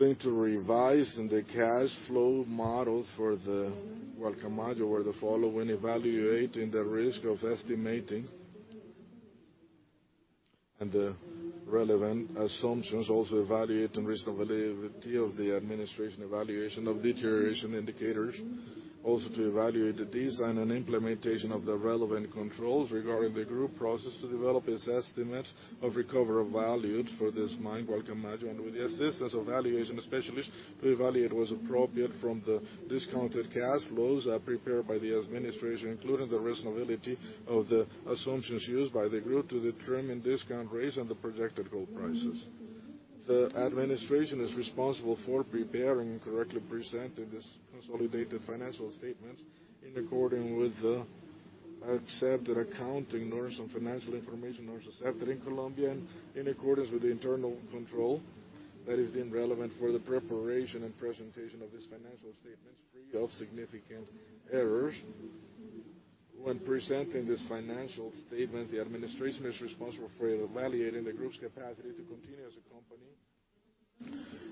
linked to revise in the cash flow model for the Gualcamayo were the following: evaluating the risk of estimating and the relevant assumptions. Also, evaluating reasonability of the administration evaluation of deterioration indicators. To evaluate the design and implementation of the relevant controls regarding the group process to develop its estimate of recoverable values for this mine, Gualcamayo. With the assistance of valuation specialists to evaluate was appropriate from the discounted cash flows prepared by the administration, including the reasonability of the assumptions used by the group to determine discount rates and the projected gold prices. The administration is responsible for preparing and correctly presenting these consolidated financial statements in accordance with the accepted accounting norms and financial information norms accepted in Colombia and in accordance with the internal control that is being relevant for the preparation and presentation of these financial statements free of significant errors. When presenting this financial statement, the administration is responsible for evaluating the group's capacity to continue as a company,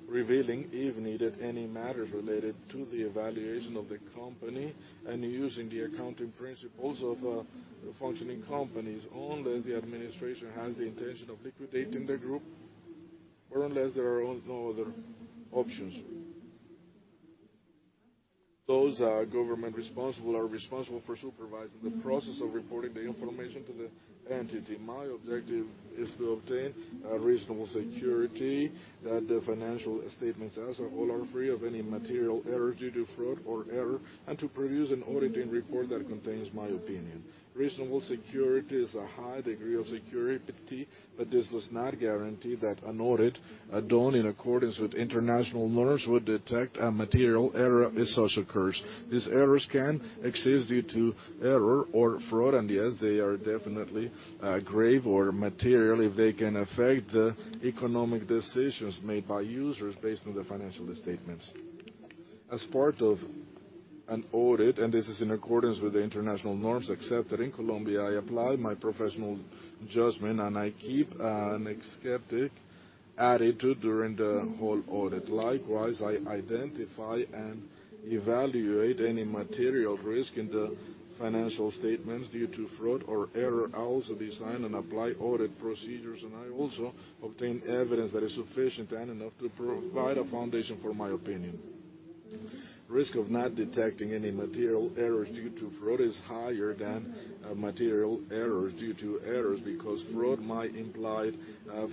revealing, if needed, any matters related to the evaluation of the company and using the accounting principles of functioning companies, only if the administration has the intention of liquidating the group or unless there are no other options. Those government responsible are responsible for supervising the process of reporting the information to the entity. My objective is to obtain a reasonable security that the financial statements as a whole are free of any material error due to fraud or error, and to produce an auditing report that contains my opinion. Reasonable security is a high degree of security. This does not guarantee that an audit done in accordance with international norms would detect a material error if such occurs. These errors can exist due to error or fraud, and yes, they are definitely grave or material if they can affect the economic decisions made by users based on the financial statements. As part of an audit, and this is in accordance with the international norms accepted in Colombia, I apply my professional judgment, and I keep a skeptic attitude during the whole audit. Likewise, I identify and evaluate any material risk in the financial statements due to fraud or error. I also design and apply audit procedures, and I also obtain evidence that is sufficient and enough to provide a foundation for my opinion. Risk of not detecting any material errors due to fraud is higher than material errors due to errors because fraud might imply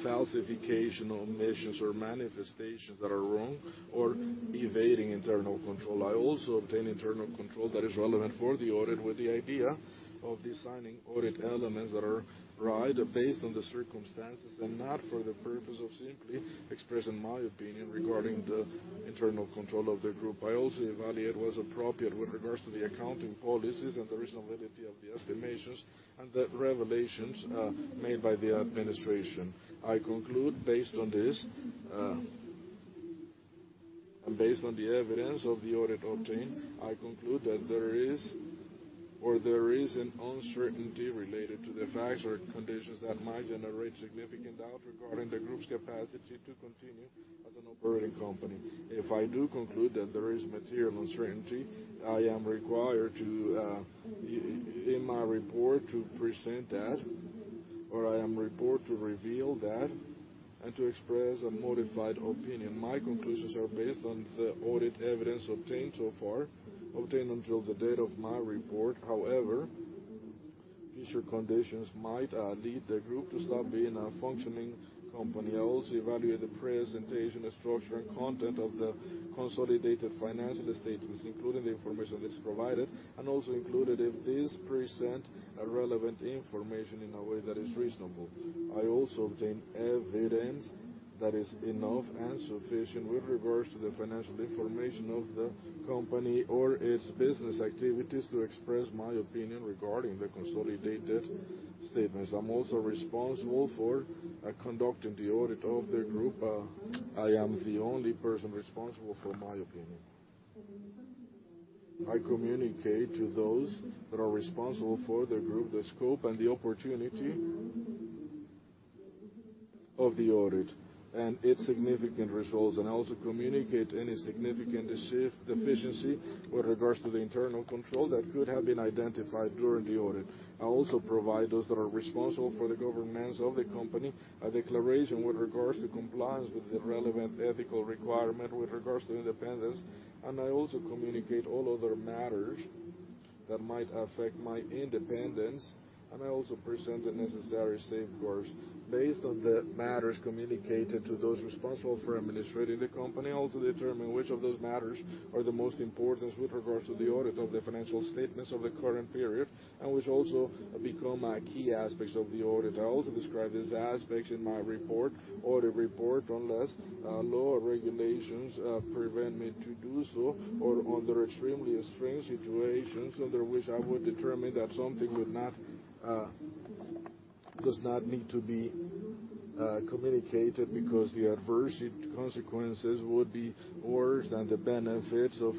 falsification, omissions or manifestations that are wrong or evading internal control. I also obtain internal control that is relevant for the audit with the idea of designing audit elements that are right based on the circumstances and not for the purpose of simply expressing my opinion regarding the internal control of the group. I also evaluate what is appropriate with regards to the accounting policies and the reasonability of the estimations and the revelations made by the administration. I conclude based on this, and based on the evidence of the audit obtained, I conclude that there is or there isn't uncertainty related to the facts or conditions that might generate significant doubt regarding the group's capacity to continue as an operating company. If I do conclude that there is material uncertainty, I am required to in my report to present that, or I am report to reveal that and to express a modified opinion. My conclusions are based on the audit evidence obtained so far, obtained until the date of my report. Future conditions might lead the group to stop being a functioning company. I also evaluate the presentation, structure, and content of the consolidated financial statements, including the information that's provided, and also included if this present a relevant information in a way that is reasonable. I also obtain evidence that is enough and sufficient with regards to the financial information of the company or its business activities to express my opinion regarding the consolidated statements. I'm also responsible for conducting the audit of the group. I am the only person responsible for my opinion. I communicate to those that are responsible for the group, the scope, and the opportunity of the audit and its significant results, I also communicate any significant deficiency with regards to the internal control that could have been identified during the audit. I also provide those that are responsible for the governance of the company a declaration with regards to compliance with the relevant ethical requirement, with regards to independence, and I also communicate all other matters that might affect my independence, and I also present the necessary safeguards. Based on the matters communicated to those responsible for administering the company, I also determine which of those matters are the most important with regards to the audit of the financial statements of the current period, and which also become key aspects of the audit. I also describe these aspects in my report or the report unless law or regulations prevent me to do so or under extremely extreme situations under which I would determine that something would not does not need to be communicated because the adverse consequences would be worse than the benefits of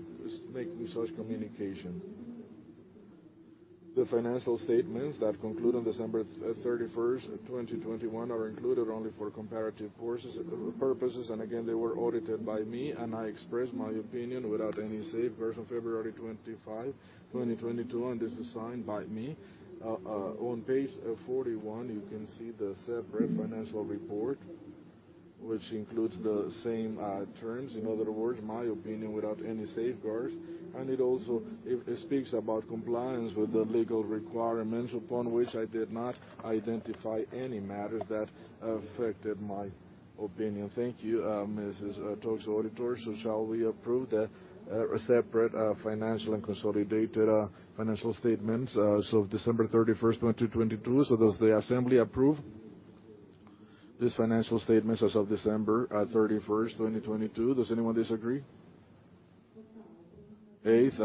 making such communication. The financial statements that conclude on December 31, 2021 are included only for comparative purposes, and again, they were audited by me, and I expressed my opinion without any safeguards on February 25, 2022, and this is signed by me. On page 41, you can see the separate financial report, which includes the same terms. In other words, my opinion without any safeguards. It also speaks about compliance with the legal requirements upon which I did not identify any matters that affected my opinion. Thank you, Mrs. talks auditors. Shall we approve the separate financial and consolidated financial statements as of December 31st, 2022? Does the assembly approve these financial statements as of December 31st, 2022? Does anyone disagree? Eighth,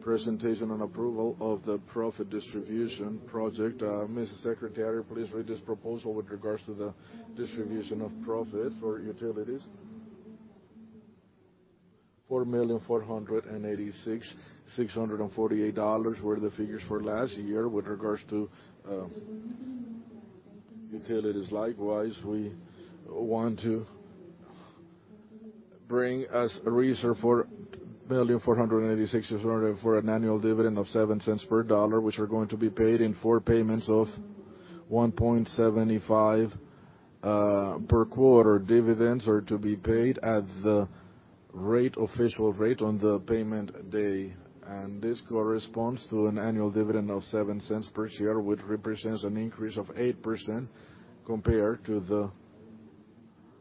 presentation and approval of the profit distribution project. Mrs. Secretary, please read this proposal with regards to the distribution of profits or utilities. $4,486,648 were the figures for last year with regards to utilities. Likewise, we want to bring as a reserve $4,486,000 for an annual dividend of $0.07 per dollar, which are going to be paid in four payments of $0.0175 per quarter. Dividends are to be paid at the rate, official rate on the payment day, and this corresponds to an annual dividend of $0.07 per share, which represents an increase of 8% compared to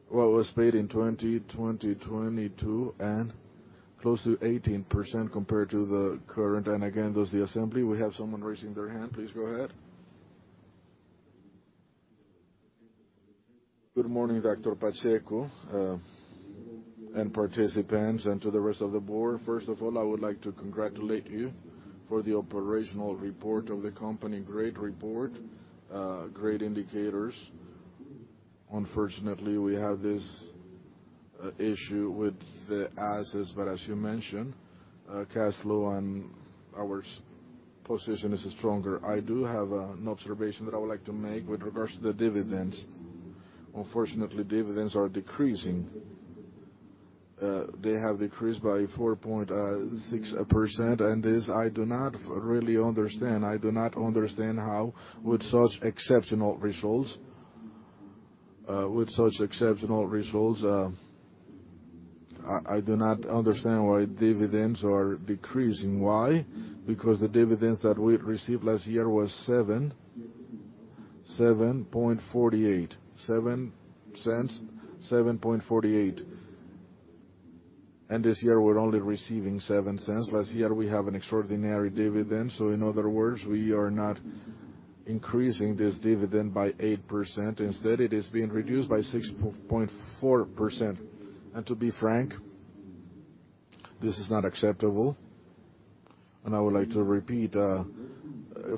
what was paid in 2022, and close to 18% compared to the current. Again, does the assembly... We have someone raising their hand. Please go ahead. Good morning, Dr. Pacheco, and participants, and to the rest of the board. First of all, I would like to congratulate you for the operational report of the company. Great report, great indicators. Unfortunately, we have this issue with the assets, but as you mentioned, cash flow and our position is stronger. I do have an observation that I would like to make with regards to the dividends. Unfortunately, dividends are decreasing. They have decreased by 4.6%, and this I do not really understand. I do not understand how with such exceptional results, with such exceptional results, I do not understand why dividends are decreasing. Why? The dividends that we received last year was $7.48. $0.07, $7.48. This year, we're only receiving 7 cents. Last year, we have an extraordinary dividend. In other words, we are not increasing this dividend by 8%. Instead, it is being reduced by 6.4%. To be frank, this is not acceptable. I would like to repeat,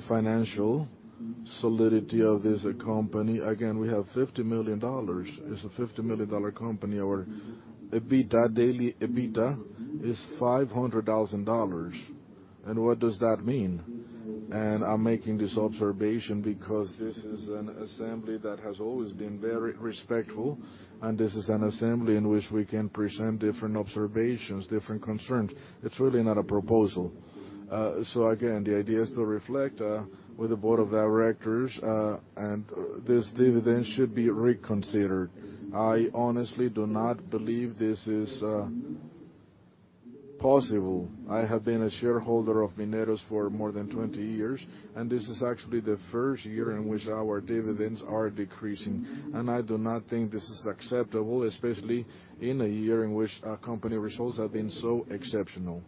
financial solidity of this company. Again, we have $50 million. It's a $50 million-dollar company. Our EBITDA, daily EBITDA is $500,000. What does that mean? I'm making this observation because this is an assembly that has always been very respectful, and this is an assembly in which we can present different observations, different concerns. It's really not a proposal. Again, the idea is to reflect with the board of directors, and this dividend should be reconsidered. I honestly do not believe this is possible. I have been a shareholder of Mineros for more than 20 years, and this is actually the first year in which our dividends are decreasing. I do not think this is acceptable, especially in a year in which our company results have been so exceptional.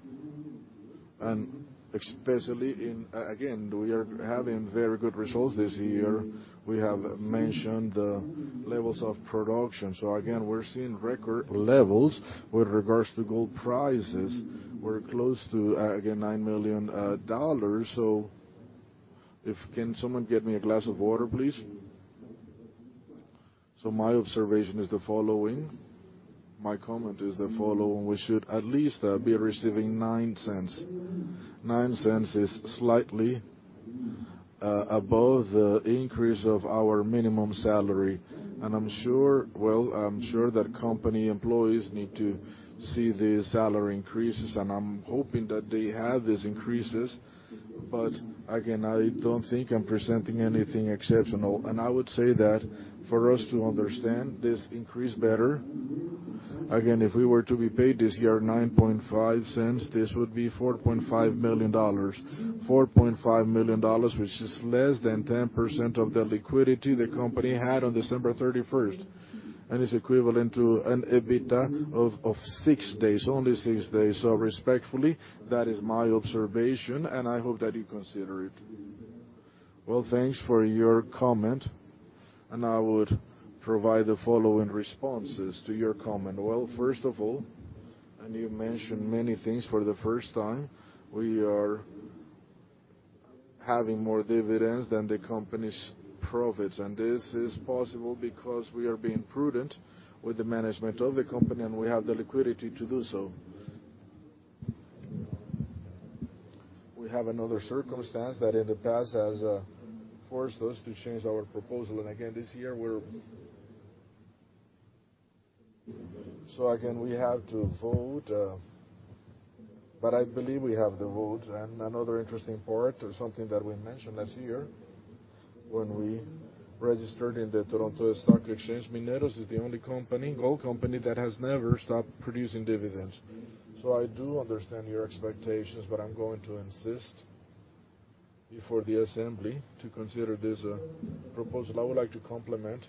Especially in... Again, we are having very good results this year. We have mentioned the levels of production. Again, we're seeing record levels with regards to gold prices. We're close to, again, $9 million. Can someone get me a glass of water, please? My observation is the following. My comment is the following. We should at least be receiving $0.09. $0.09 is slightly above the increase of our minimum salary. Well, I'm sure that company employees need to see these salary increases, and I'm hoping that they have these increases. Again, I don't think I'm presenting anything exceptional. I would say that for us to understand this increase better, again, if we were to be paid this year $0.095, this would be $4.5 million. $4.5 million, which is less than 10% of the liquidity the company had on December 31st, and is equivalent to an EBITDA of six days, only six days. Respectfully, that is my observation, and I hope that you consider it. Thanks for your comment, and I would provide the following responses to your comment. First of all, you mentioned many things for the first time, we are having more dividends than the company's profits. This is possible because we are being prudent with the management of the company, and we have the liquidity to do so. We have another circumstance that in the past has forced us to change our proposal. Again, this year. Again, we have to vote, but I believe we have the vote. Another interesting part, or something that we mentioned last year when we registered in the Toronto Stock Exchange, Mineros is the only company, gold company, that has never stopped producing dividends. I do understand your expectations, but I'm going to insist before the assembly to consider this proposal. I would like to complement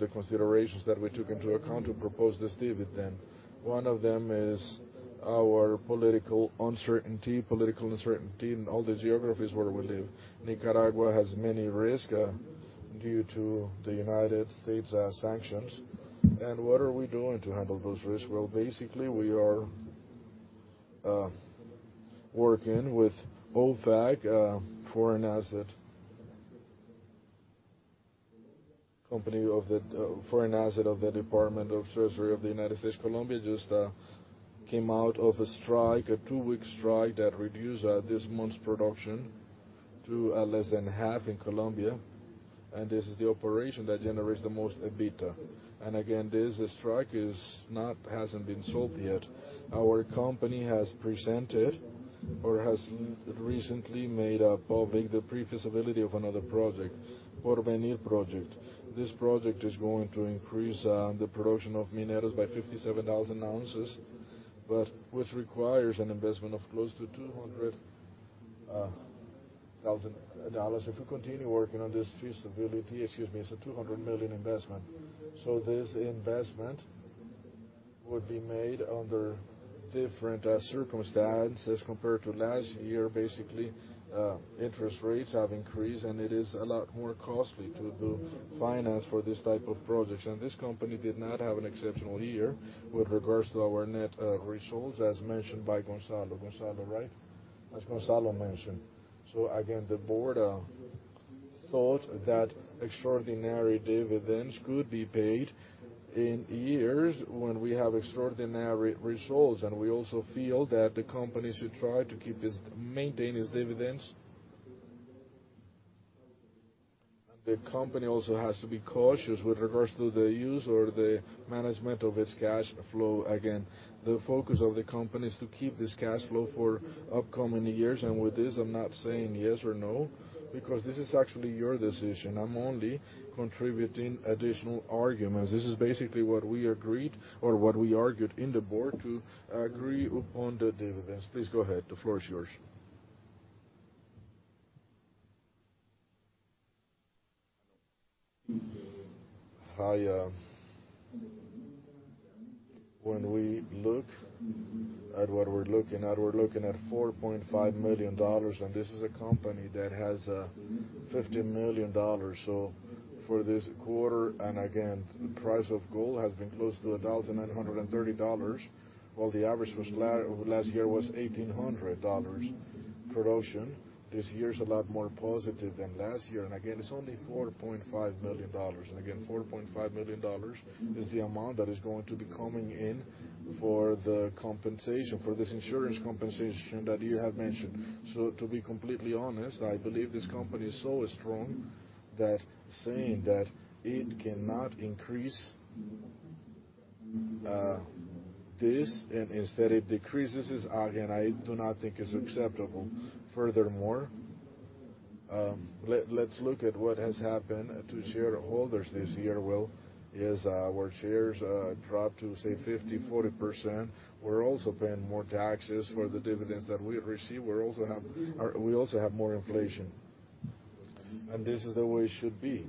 the considerations that we took into account to propose this dividend. One of them is our political uncertainty, political uncertainty in all the geographies where we live. Nicaragua has many risks due to the United States sanctions. What are we doing to handle those risks? Well, basically, we are working with OFAC, Department of the Treasury of the United States. Colombia just came out of a strike, a two-week strike that reduced this month's production to less than half in Colombia. This is the operation that generates the most EBITDA. Again, this strike hasn't been solved yet. Our company has presented or has recently made public the pre-feasibility of another project, Porvenir Project. This project is going to increase the production of Mineros by 57,000 ounces, but which requires an investment of close to $200,000. If we continue working on this feasibility... Excuse me, it's a $200 million investment. This investment would be made under different circumstances compared to last year. Interest rates have increased, and it is a lot more costly to do finance for this type of projects. This company did not have an exceptional year with regards to our net results, as mentioned by Gonzalo. Gonzalo, right? As Gonzalo mentioned. Again, the Board thought that extraordinary dividends could be paid in years when we have extraordinary results. We also feel that the company should try to maintain its dividends. The company also has to be cautious with regards to the use or the management of its cash flow. Again, the focus of the company is to keep this cash flow for upcoming years. With this, I'm not saying yes or no, because this is actually your decision. I'm only contributing additional arguments. This is basically what we agreed or what we argued in the Board to agree upon the dividends. Please go ahead. The floor is yours. When we look at what we're looking at, we're looking at $4.5 million, and this is a company that has $50 million. For this quarter, again, the price of gold has been close to $1,930, while the average last year was $1,800 production. This year is a lot more positive than last year. Again, it's only $4.5 million. Again, $4.5 million is the amount that is going to be coming in for the compensation, for this insurance compensation that you have mentioned. To be completely honest, I believe this company is so strong that saying that it cannot increase this and instead it decreases this, again, I do not think is acceptable. Furthermore, let's look at what has happened to shareholders this year. Well, is our shares dropped to, say, 50%, 40%. We're also paying more taxes for the dividends that we receive. We also have more inflation. This is the way it should be.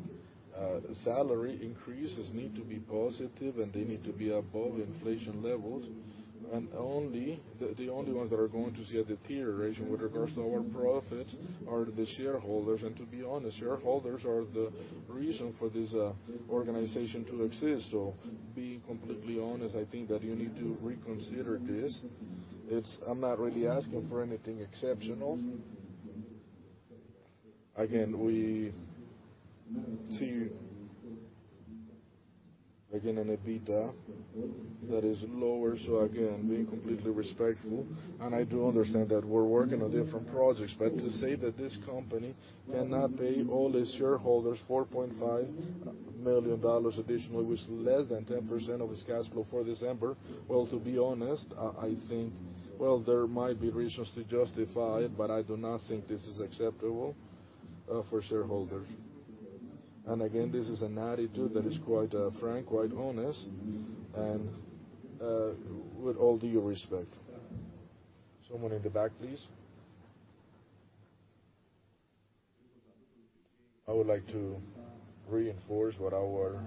Salary increases need to be positive, and they need to be above inflation levels. Only the only ones that are going to see a deterioration with regards to our profits are the shareholders. To be honest, shareholders are the reason for this organization to exist. Being completely honest, I think that you need to reconsider this. I'm not really asking for anything exceptional. Again, we see, again, an EBITDA that is lower. Again, being completely respectful, and I do understand that we're working on different projects, but to say that this company cannot pay all its shareholders $4.5 million additionally, which is less than 10% of its cash flow for December. To be honest, I think, well, there might be reasons to justify it, but I do not think this is acceptable for shareholders. Again, this is an attitude that is quite frank, quite honest, and with all due respect. Someone in the back, please. I would like to reinforce what our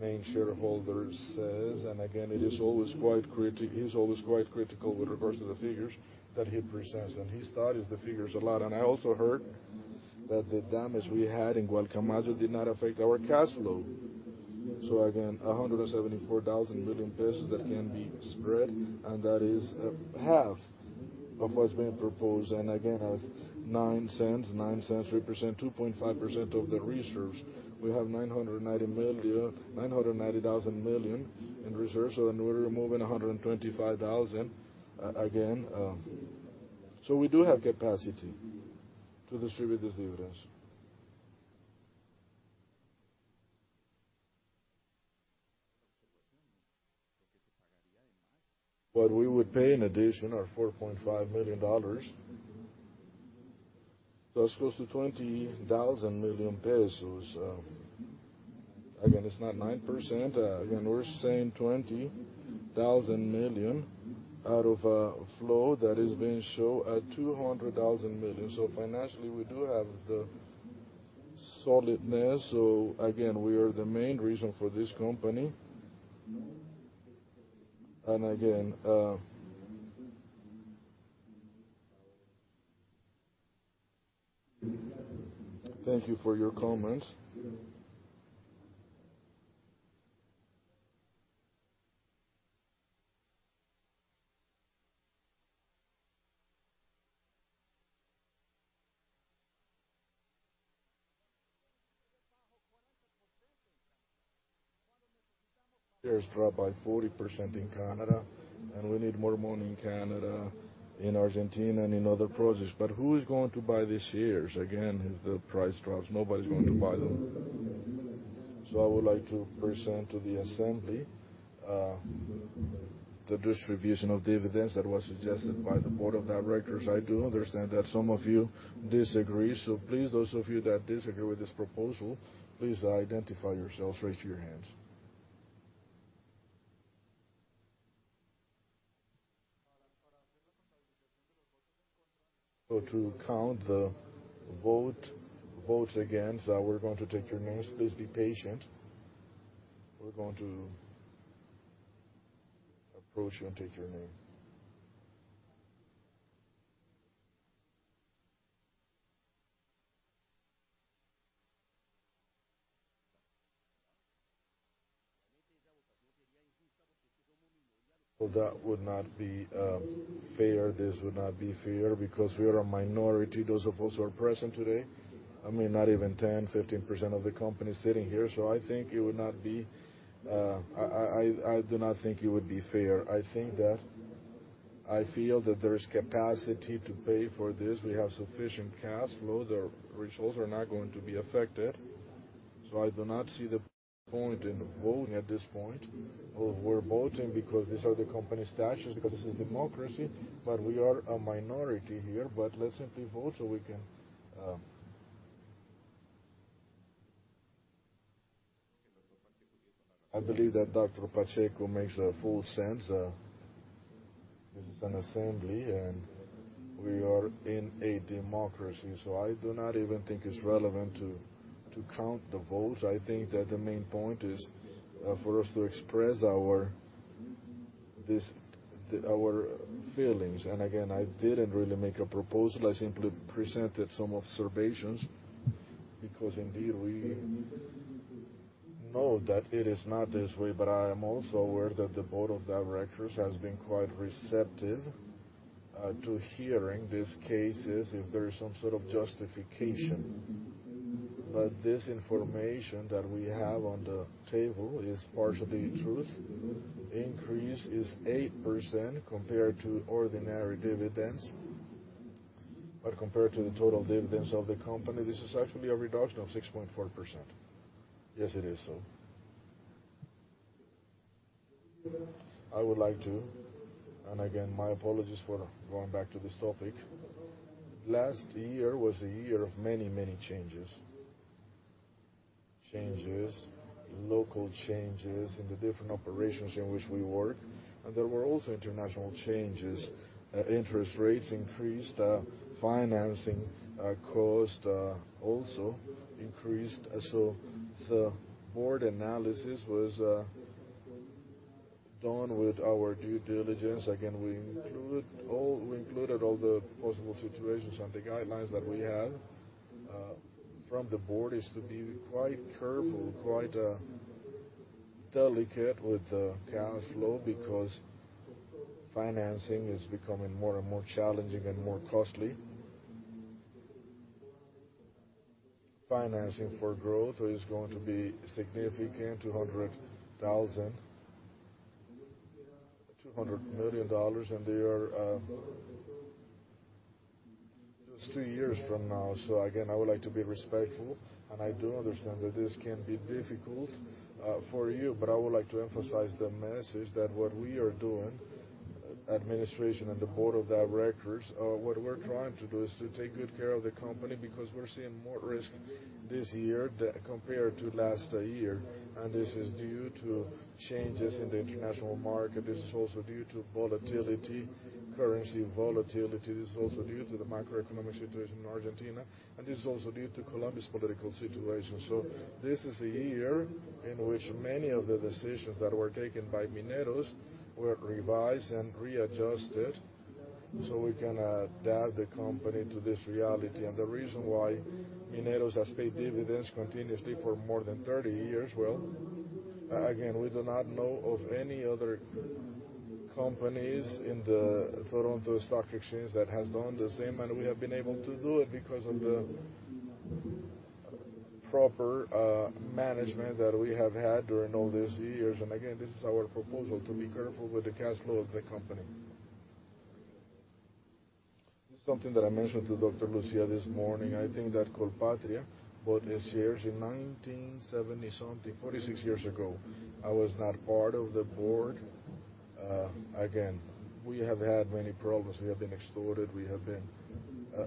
main shareholder says. Again, it is always quite critical with regards to the figures that he presents, and he studies the figures a lot. I also heard that the damage we had in Gualcamayo did not affect our cash flow. Again, COP 174,000 million that can be spread, and that is half of what's being proposed, and again, that's $0.09, $0.09 represent 2.5% of the reserves. We have COP 990,000 million in reserves. In order to move in COP 125,000 million again, we do have capacity to distribute these dividends. What we would pay in addition are $4.5 million. That's close to COP 20,000 million. Again, it's not 9%. Again, we're saying COP 20,000 million out of a flow that is being shown at COP 200,000 million. Financially, we do have the solidness. Again, we are the main reason for this company. Again, thank you for your comments. Shares dropped by 40% in Canada, we need more money in Canada, in Argentina, and in other projects. Who is going to buy these shares, again, if the price drops? Nobody's going to buy them. I would like to present to the assembly the distribution of dividends that was suggested by the board of directors. I do understand that some of you disagree. Please, those of you that disagree with this proposal, please identify yourselves. Raise your hands. To count the vote, votes against, we're going to take your names. Please be patient. We're going to approach you and take your name. That would not be fair. This would not be fair because we are a minority, those of us who are present today. I mean, not even 10, 15% of the company is sitting here. I think it would not be. I do not think it would be fair. I feel that there is capacity to pay for this. We have sufficient cash flow. The results are not going to be affected. I do not see the point in voting at this point. Well, we're voting because these are the company statutes because this is democracy, but we are a minority here. Let's simply vote, so we can. I believe that Dr. Pacheco makes full sense. This is an assembly, and we are in a democracy, so I do not even think it's relevant to count the votes. I think that the main point is for us to express our feelings. Again, I didn't really make a proposal. I simply presented some observations because indeed we know that it is not this way. I am also aware that the board of directors has been quite receptive to hearing these cases if there is some sort of justification. This information that we have on the table is partially truth. Increase is 8% compared to ordinary dividends. Compared to the total dividends of the company, this is actually a reduction of 6.4%. Yes, it is so. I would like to... Again, my apologies for going back to this topic. Last year was a year of many, many changes. Changes, local changes in the different operations in which we work, and there were also international changes. Interest rates increased. Financing cost also increased. The board analysis was done with our due diligence. Again, we included all the possible situations. The guidelines that we have from the board is to be quite careful, quite delicate with the cash flow because financing is becoming more and more challenging and more costly. Financing for growth is going to be significant, 200 thousand. $200 million, and they are... It was three years from now. Again, I would like to be respectful, and I do understand that this can be difficult for you. I would like to emphasize the message that what we are doing, administration and the board of directors, what we're trying to do is to take good care of the company because we're seeing more risk this year compared to last year. This is due to changes in the international market. This is also due to volatility, currency volatility. This is also due to the macroeconomic situation in Argentina, and this is also due to Colombia's political situation. This is a year in which many of the decisions that were taken by Mineros were revised and readjusted, so we can adapt the company to this reality. The reason why Mineros has paid dividends continuously for more than 30 years, well, again, we do not know of any other companies in the Toronto Stock Exchange that has done the same. We have been able to do it because of the proper management that we have had during all these years. Again, this is our proposal to be careful with the cash flow of the company. Something that I mentioned to Dr. Lucia this morning, I think that Colpatria bought these shares in 1970 something, 46 years ago. I was not part of the board. Again, we have had many problems. We have been extorted, we have been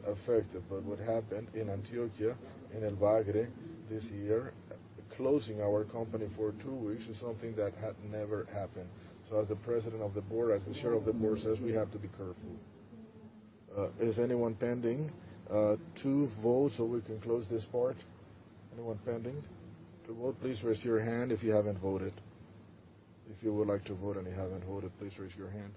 affected. What happened in Antioquia, in El Bagre this year, closing our company for two weeks is something that had never happened. As the president of the board, as the chair of the board says, we have to be careful. Is anyone pending to vote so we can close this part? Anyone pending to vote? Please raise your hand if you haven't voted. If you would like to vote and you haven't voted, please raise your hand.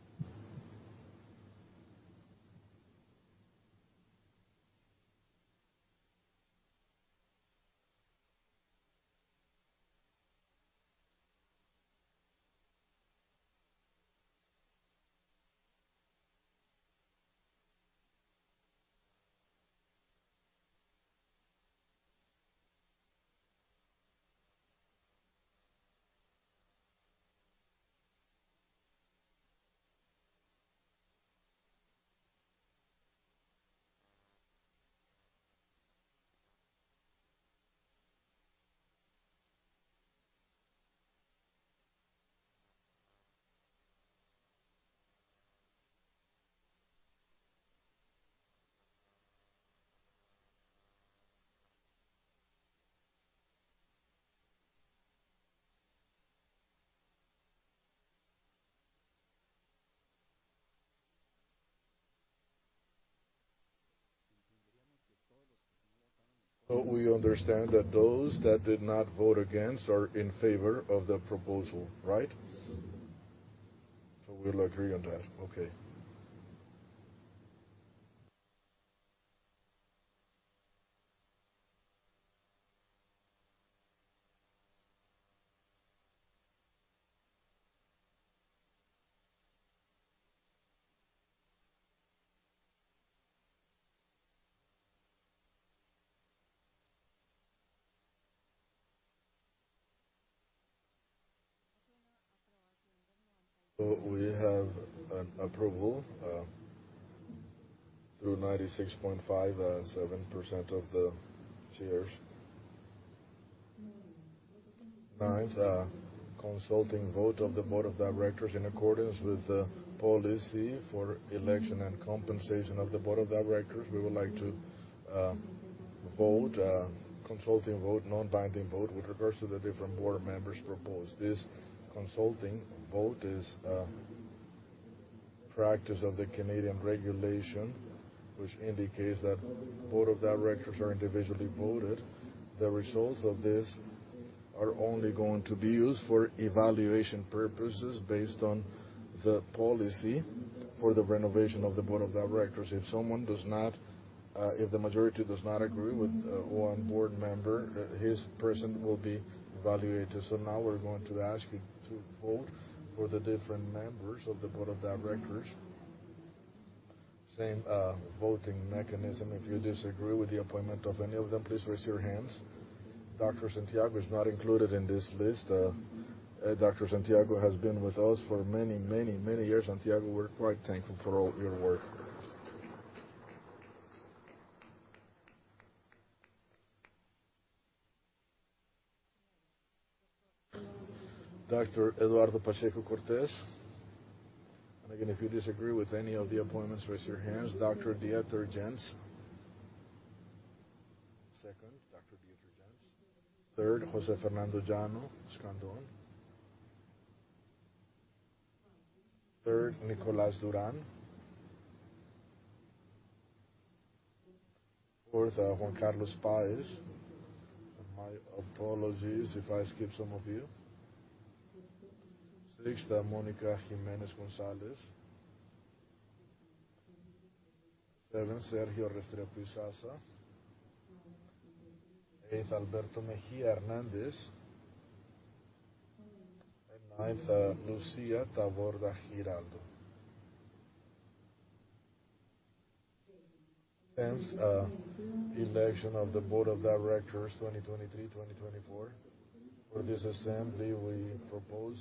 We understand that those that did not vote against are in favor of the proposal, right? We'll agree on that. Okay. We have an approval through 96.57% of the shares. Ninth, consulting vote of the Board of Directors in accordance with the policy for election and compensation of the Board of Directors. We would like to vote, consulting vote, non-binding vote with regards to the different Board members proposed. This consulting vote is a practice of the Canadian regulation, which indicates that Board of Directors are individually voted. The results of this are only going to be used for evaluation purposes based on the policy for the renovation of the Board of Directors. If the majority does not agree with one Board member, his person will be evaluated. Now we're going to ask you to vote for the different members of the Board of Directors. Same voting mechanism. If you disagree with the appointment of any of them, please raise your hands. Dr. Santiago is not included in this list. Dr. Santiago has been with us for many, many, many years. Santiago, we're quite thankful for all your work. Dr. Eduardo Pacheco-Cortés. Again, if you disagree with any of the appointments, raise your hands. Dr. Dieter Jentz. Second, Dr. Dieter Jentz. Third, José Fernando Llano Escandón. Third, Nicolás Durán. Fourth, Juan Carlos Páez. My apologies if I skip some of you. Sixth, Mónica Jiménez González. Seven, Sergio Restrepo Isaza. Eighth, Alberto Mejía Hernández. Ninth, Lucía Taborda Giraldo. 10th, election of the board of directors 2023, 2024. For this assembly, we propose,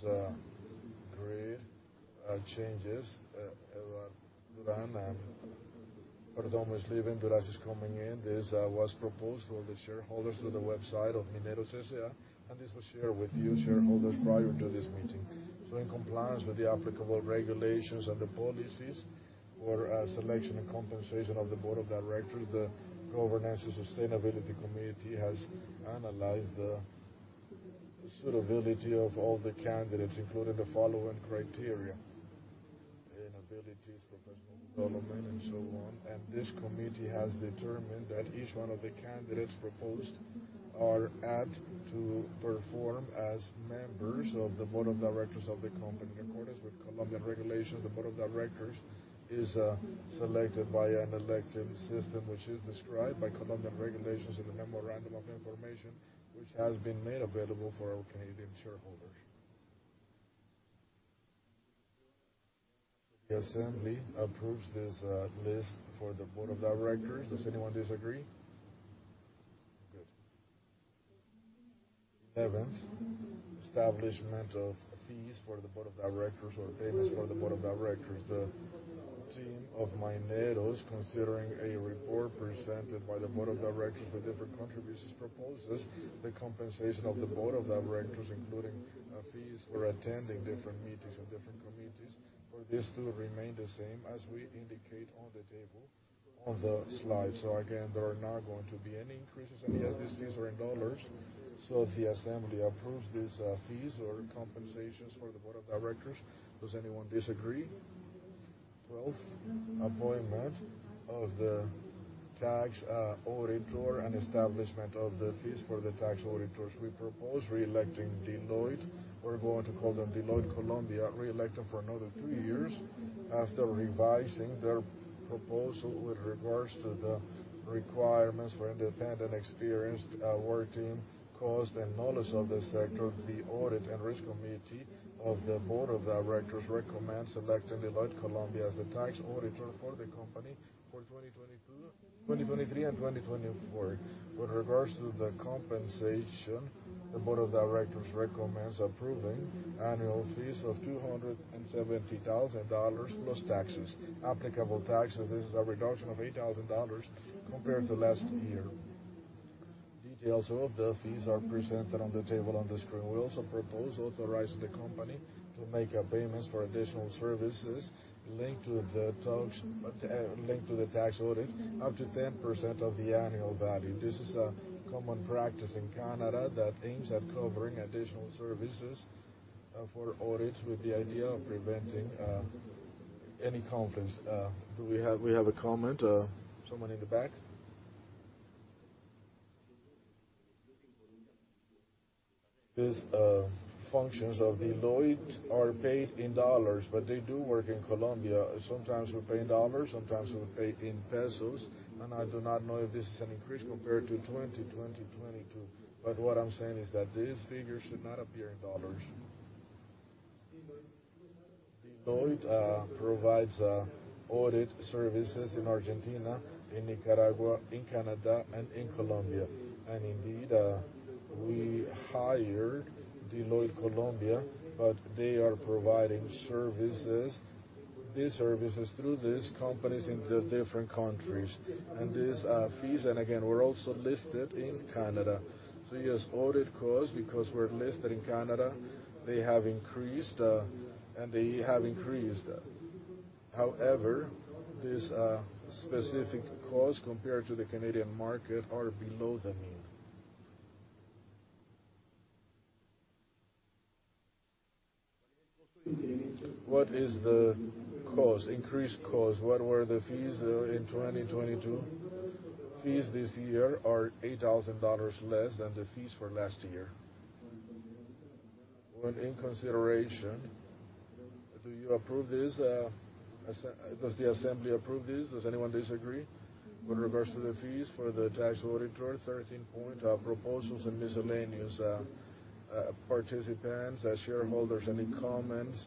three changes. Durán Perdomo is leaving, Durán is coming in. This was proposed to all the shareholders through the website of Mineros S.A. This was shared with you shareholders prior to this meeting. In compliance with the applicable regulations and the policies for selection and compensation of the board of directors, the Governance and Sustainability Committee has analyzed the suitability of all the candidates, including the following criteria: inabilities, professional development, and so on. This committee has determined that each one of the candidates proposed are apt to perform as members of the board of directors of the company. In accordance with Colombian regulations, the board of directors is selected by an elective system, which is described by Colombian regulations in the Memorandum of Information, which has been made available for our Canadian shareholders. The assembly approves this list for the board of directors. Does anyone disagree? Good. Eleventh, establishment of fees for the board of directors or payments for the board of directors. The team of Mineros, considering a report presented by the board of directors for different contributions, proposes the compensation of the board of directors, including fees for attending different meetings and different committees, for this to remain the same as we indicate on the table on the slide. Again, there are not going to be any increases. Yes, these fees are in dollars. If the assembly approves these fees or compensations for the board of directors, does anyone disagree? 12th, appointment of the Tax auditor and establishment of the fees for the tax auditors. We propose reelecting Deloitte. We're going to call them Deloitte Colombia. Re-elect them for another two years after revising their proposal with regards to the requirements for independent, experienced, work team, cost, and knowledge of the sector. The Audit and Risk Committee of the board of directors recommend selecting Deloitte Colombia as the tax auditor for the company for 2022, 2023, and 2024. With regards to the compensation, the board of directors recommends approving annual fees of $270,000+ taxes. Applicable taxes, this is a reduction of $8,000 compared to last year. Details of the fees are presented on the table on the screen. We also propose authorizing the company to make payments for additional services linked to the tax, linked to the tax audit, up to 10% of the annual value. This is a common practice in Canada that aims at covering additional services for audits with the idea of preventing any conflicts. We have a comment, someone in the back. These functions of Deloitte are paid in dollars, but they do work in Colombia. Sometimes we pay in dollars, sometimes we pay in pesos, and I do not know if this is an increase compared to 2022. But what I am saying is that these figures should not appear in dollars. Deloitte provides audit services in Argentina, in Nicaragua, in Canada, and in Colombia. Indeed, we hired Deloitte Colombia, but they are providing services, these services through these companies in the different countries. These fees, and again, we are also listed in Canada Yes, audit costs, because we're listed in Canada, they have increased. However, these specific costs compared to the Canadian market are below the mean. What is the cost? What were the fees in 2022? Fees this year are $8,000 less than the fees for last year. In consideration, do you approve this? Does the assembly approve this? Does anyone disagree with regards to the fees for the tax auditor, 13 point proposals and miscellaneous participants as shareholders. Any comments?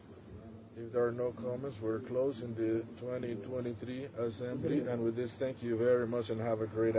If there are no comments, we're closing the 2023 assembly. With this, thank you very much and have a great day.